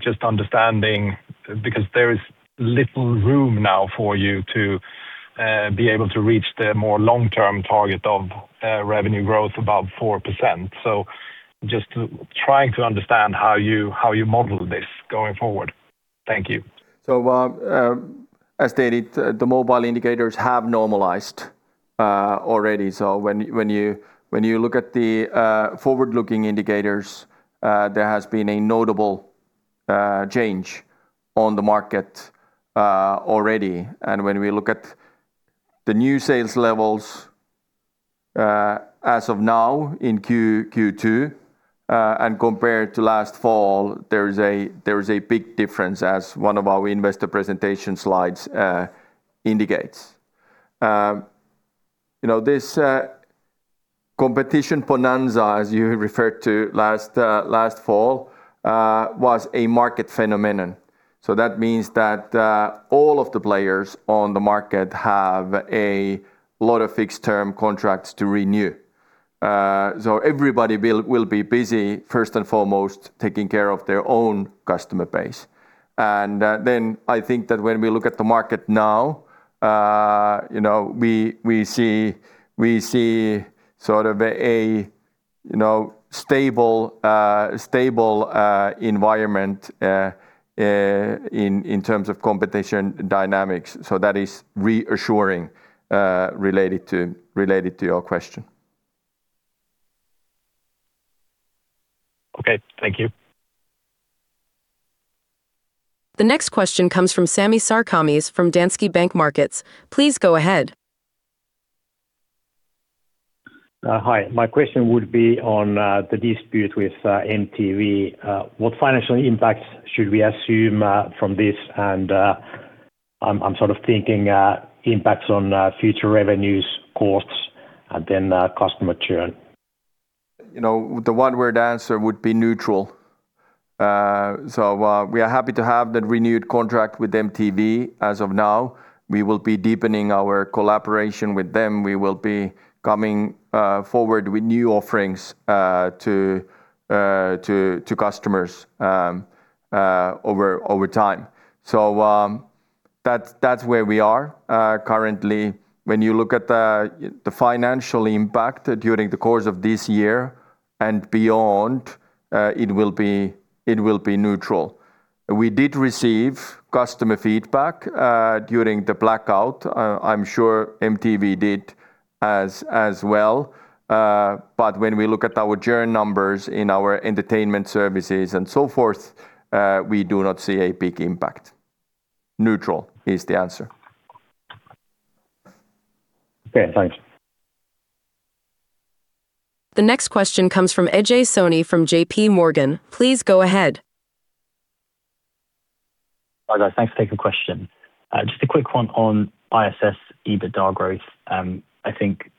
Just understanding, because there is little room now for you to be able to reach the more long-term target of revenue growth above 4%. Just trying to understand how you model this going forward. Thank you. As stated, the mobile indicators have normalized already. When you look at the forward-looking indicators, there has been a notable change on the market already. When we look at the new sales levels as of now in Q2 and compared to last fall, there is a big difference as one of our investor presentation slides indicates. This competition bonanza, as you referred to last fall, was a market phenomenon. That means that all of the players on the market have a lot of fixed-term contracts to renew. Everybody will be busy first and foremost, taking care of their own customer base. Then I think that when we look at the market now, we see a stable environment in terms of competition dynamics. That is reassuring related to your question. Okay. Thank you. The next question comes from Sami Sarkamies from Danske Bank Markets. Please go ahead. Hi. My question would be on the dispute with MTV. What financial impacts should we assume from this? I'm thinking impacts on future revenues, costs, and then customer churn. The one-word answer would be neutral. We are happy to have that renewed contract with MTV as of now. We will be deepening our collaboration with them. We will be coming forward with new offerings to customers over time. That's where we are currently. When you look at the financial impact during the course of this year and beyond, it will be neutral. We did receive customer feedback during the blackout. I'm sure MTV did as well. When we look at our churn numbers in our entertainment services and so forth, we do not see a big impact. Neutral is the answer. Okay, thanks. The next question comes from Ajay Soni from JPMorgan. Please go ahead. Hi, guys. Thanks for taking the question. Just a quick one on ISS EBITDA growth. I think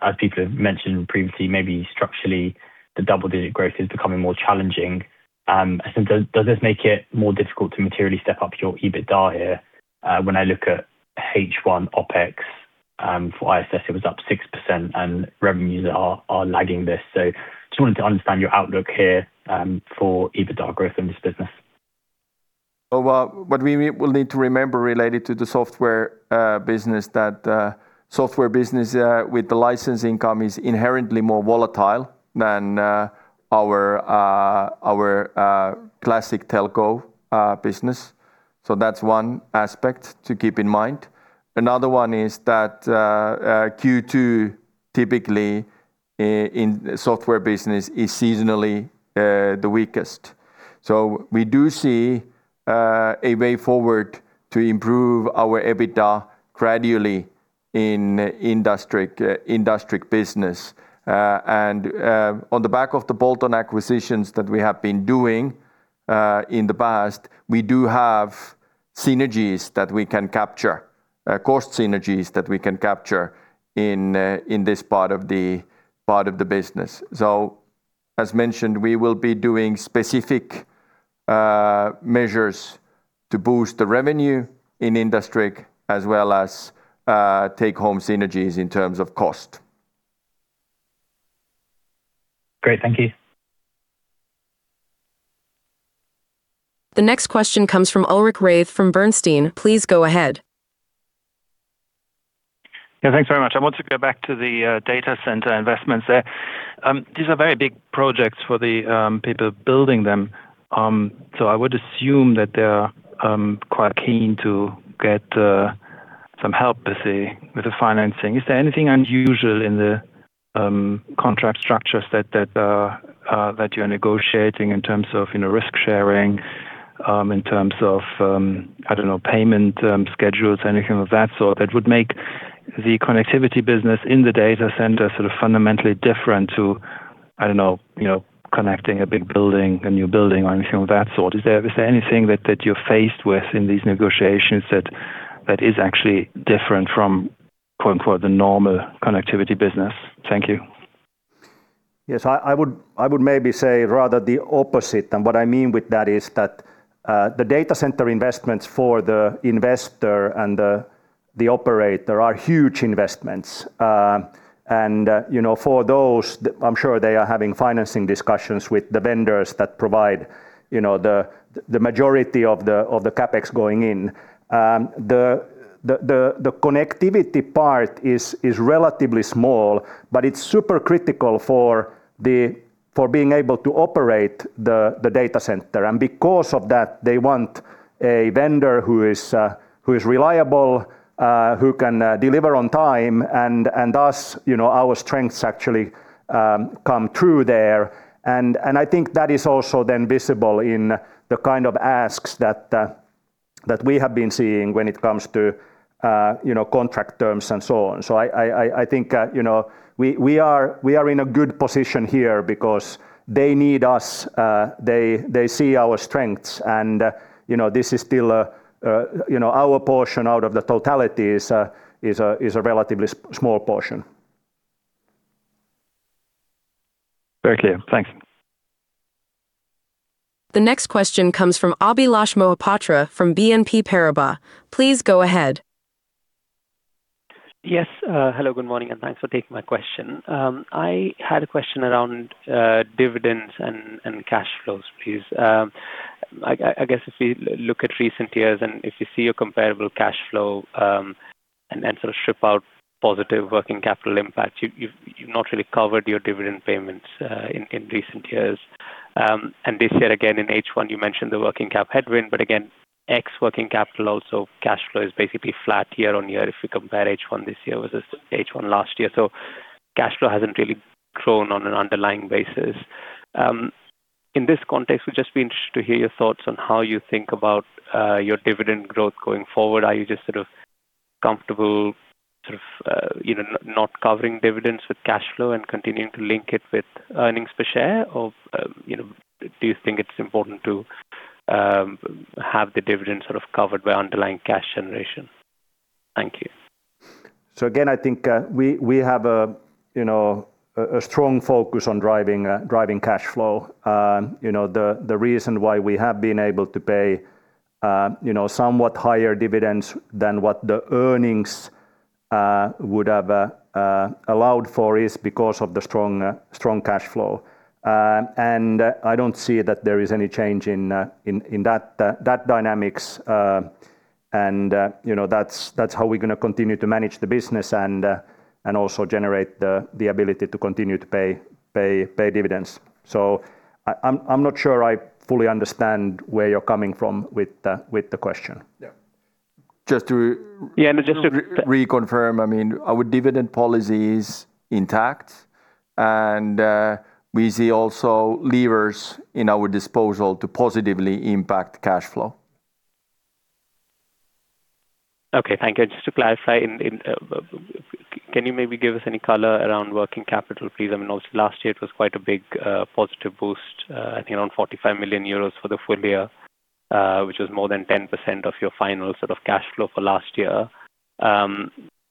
as people have mentioned previously, maybe structurally the double-digit growth is becoming more challenging. I think, does this make it more difficult to materially step up your EBITDA here? When I look at H1 OpEx, for ISS, it was up 6% and revenues are lagging this. Just wanted to understand your outlook here for EBITDA growth in this business. What we will need to remember related to the software business, that software business with the license income is inherently more volatile than our classic telco business. That's one aspect to keep in mind. Another one is that Q2, typically in software business, is seasonally the weakest. We do see a way forward to improve our EBITDA gradually in the Industriq business. On the back of the bolt-on acquisitions that we have been doing in the past, we do have synergies that we can capture, cost synergies that we can capture in this part of the business. As mentioned, we will be doing specific measures to boost the revenue in Industriq as well as take home synergies in terms of cost. Great. Thank you. The next question comes from Ulrich Rathe from Bernstein. Please go ahead. Yeah, thanks very much. I want to go back to the data center investments there. These are very big projects for the people building them. I would assume that they are quite keen to get some help with the financing. Is there anything unusual in the contract structures that you're negotiating in terms of risk sharing, in terms of payment schedules, anything of that sort that would make the connectivity business in the data center sort of fundamentally different to connecting a new building or anything of that sort? Is there anything that you're faced with in these negotiations that is actually different from "the normal connectivity business?" Thank you. Yes. I would maybe say rather the opposite. What I mean with that is that the data center investments for the investor and the operator are huge investments. For those, I'm sure they are having financing discussions with the vendors that provide the majority of the CapEx going in. The connectivity part is relatively small, but it's super critical for being able to operate the data center. Because of that, they want a vendor who is reliable, who can deliver on time, and thus our strengths actually come through there. I think that is also then visible in the kind of asks that we have been seeing when it comes to contract terms and so on. I think we are in a good position here because they need us, they see our strengths, and our portion out of the totality is a relatively small portion. Very clear. Thanks. The next question comes from Abhilash Mohapatra from BNP Paribas. Please go ahead. Yes. Hello, good morning, thanks for taking my question. I had a question around dividends and cash flows, please. I guess if you look at recent years and if you see your comparable cash flow, then sort of strip out positive working capital impact, you've not really covered your dividend payments in recent years. This year, again, in H1, you mentioned the working cap headwind, but again, ex working capital, cash flow is basically flat year-on-year if we compare H1 this year versus H1 last year. Cash flow hasn't really grown on an underlying basis. In this context, we'd just be interested to hear your thoughts on how you think about your dividend growth going forward. Are you just sort of comfortable not covering dividends with cash flow and continuing to link it with earnings per share, or do you think it's important to have the dividend sort of covered by underlying cash generation? Thank you. Again, I think we have a strong focus on driving cash flow. The reason why we have been able to pay somewhat higher dividends than what the earnings would have allowed for is because of the strong cash flow. I don't see that there is any change in that dynamics. That's how we're going to continue to manage the business and also generate the ability to continue to pay dividends. I'm not sure I fully understand where you're coming from with the question. Yeah. Just to- Yeah. Reconfirm, our dividend policy is intact, and we see also levers in our disposal to positively impact cash flow. Okay. Thank you. Just to clarify, can you maybe give us any color around working capital, please? I mean, obviously last year it was quite a big positive boost, I think around 45 million euros for the full year, which was more than 10% of your final sort of cash flow for last year.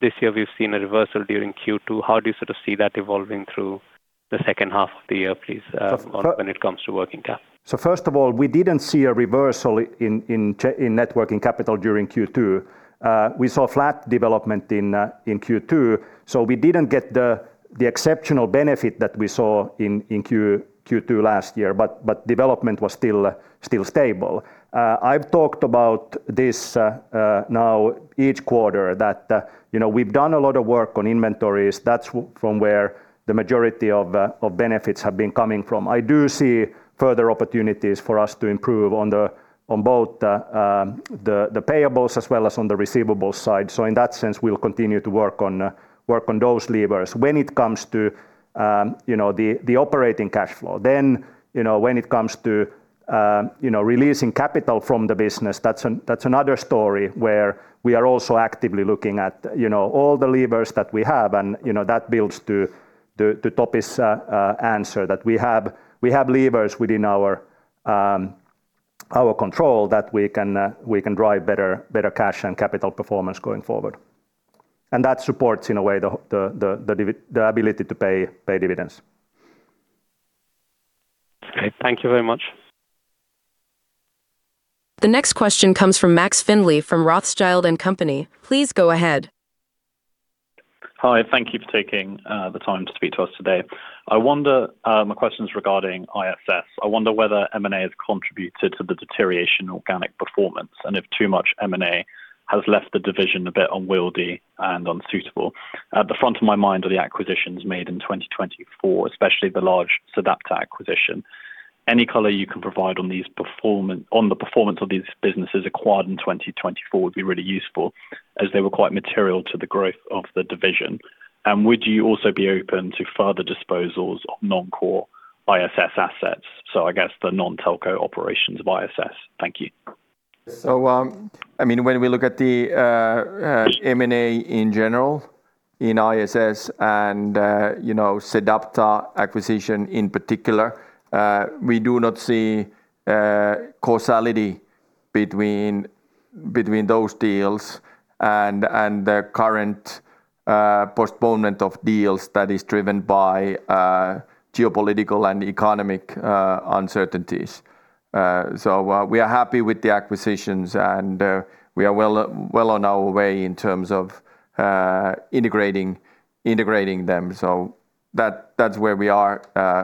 This year we've seen a reversal during Q2. How do you sort of see that evolving through the second half of the year, please, when it comes to working cap? First of all, we didn't see a reversal in net working capital during Q2. We saw flat development in Q2. We didn't get the exceptional benefit that we saw in Q2 last year, but development was still stable. I've talked about this now each quarter that we've done a lot of work on inventories. That's from where the majority of benefits have been coming from. I do see further opportunities for us to improve on both the payables as well as on the receivables side. In that sense, we'll continue to work on those levers. When it comes to the operating cash flow, when it comes to releasing capital from the business, that's another story where we are also actively looking at all the levers that we have, and that builds to Topi's answer, that we have levers within our control that we can drive better cash and capital performance going forward. That supports, in a way, the ability to pay dividends. Okay. Thank you very much. The next question comes from Max Findlay from Rothschild & Co. Please go ahead. Hi. Thank you for taking the time to speak to us today. My question's regarding ISS. I wonder whether M&A has contributed to the deterioration organic performance, and if too much M&A has left the division a bit unwieldy and unsuitable. At the front of my mind are the acquisitions made in 2024, especially the large sedApta acquisition. Any color you can provide on the performance of these businesses acquired in 2024 would be really useful, as they were quite material to the growth of the division. Would you also be open to further disposals of non-core ISS assets? I guess the non-telco operations of ISS. Thank you. When we look at the M&A in general in ISS, and sedApta acquisition in particular, we do not see causality between those deals and the current postponement of deals that is driven by geopolitical and economic uncertainties. We are happy with the acquisitions, and we are well on our way in terms of integrating them. That's where we are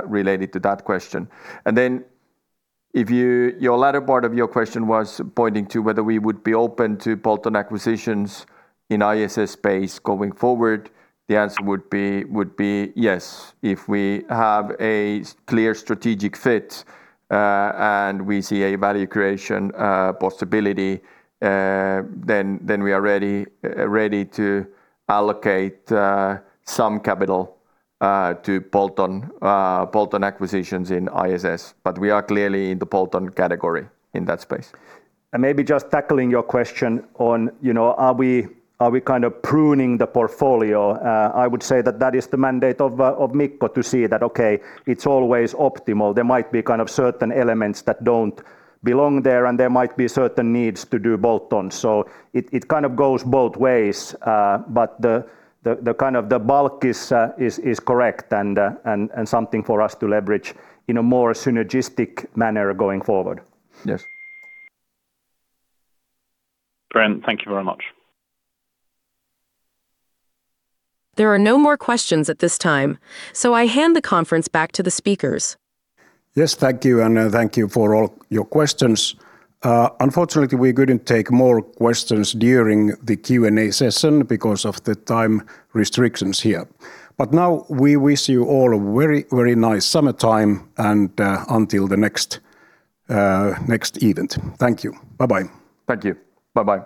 related to that question. Then your latter part of your question was pointing to whether we would be open to bolt-on acquisitions in ISS space going forward. The answer would be yes. If we have a clear strategic fit, and we see a value creation possibility, then we are ready to allocate some capital to bolt-on acquisitions in ISS. But we are clearly in the bolt-on category in that space. Maybe just tackling your question on, are we kind of pruning the portfolio? I would say that that is the mandate of Mikko to see that, okay, it's always optimal. There might be certain elements that don't belong there, and there might be certain needs to do bolt-ons. It kind of goes both ways. But the bulk is correct and something for us to leverage in a more synergistic manner going forward. Yes. Great, thank you very much. There are no more questions at this time. I hand the conference back to the speakers. Yes. Thank you, and thank you for all your questions. Unfortunately, we couldn't take more questions during the Q&A session because of the time restrictions here. Now we wish you all a very nice summertime and until the next event. Thank you. Bye-bye. Thank you. Bye-bye.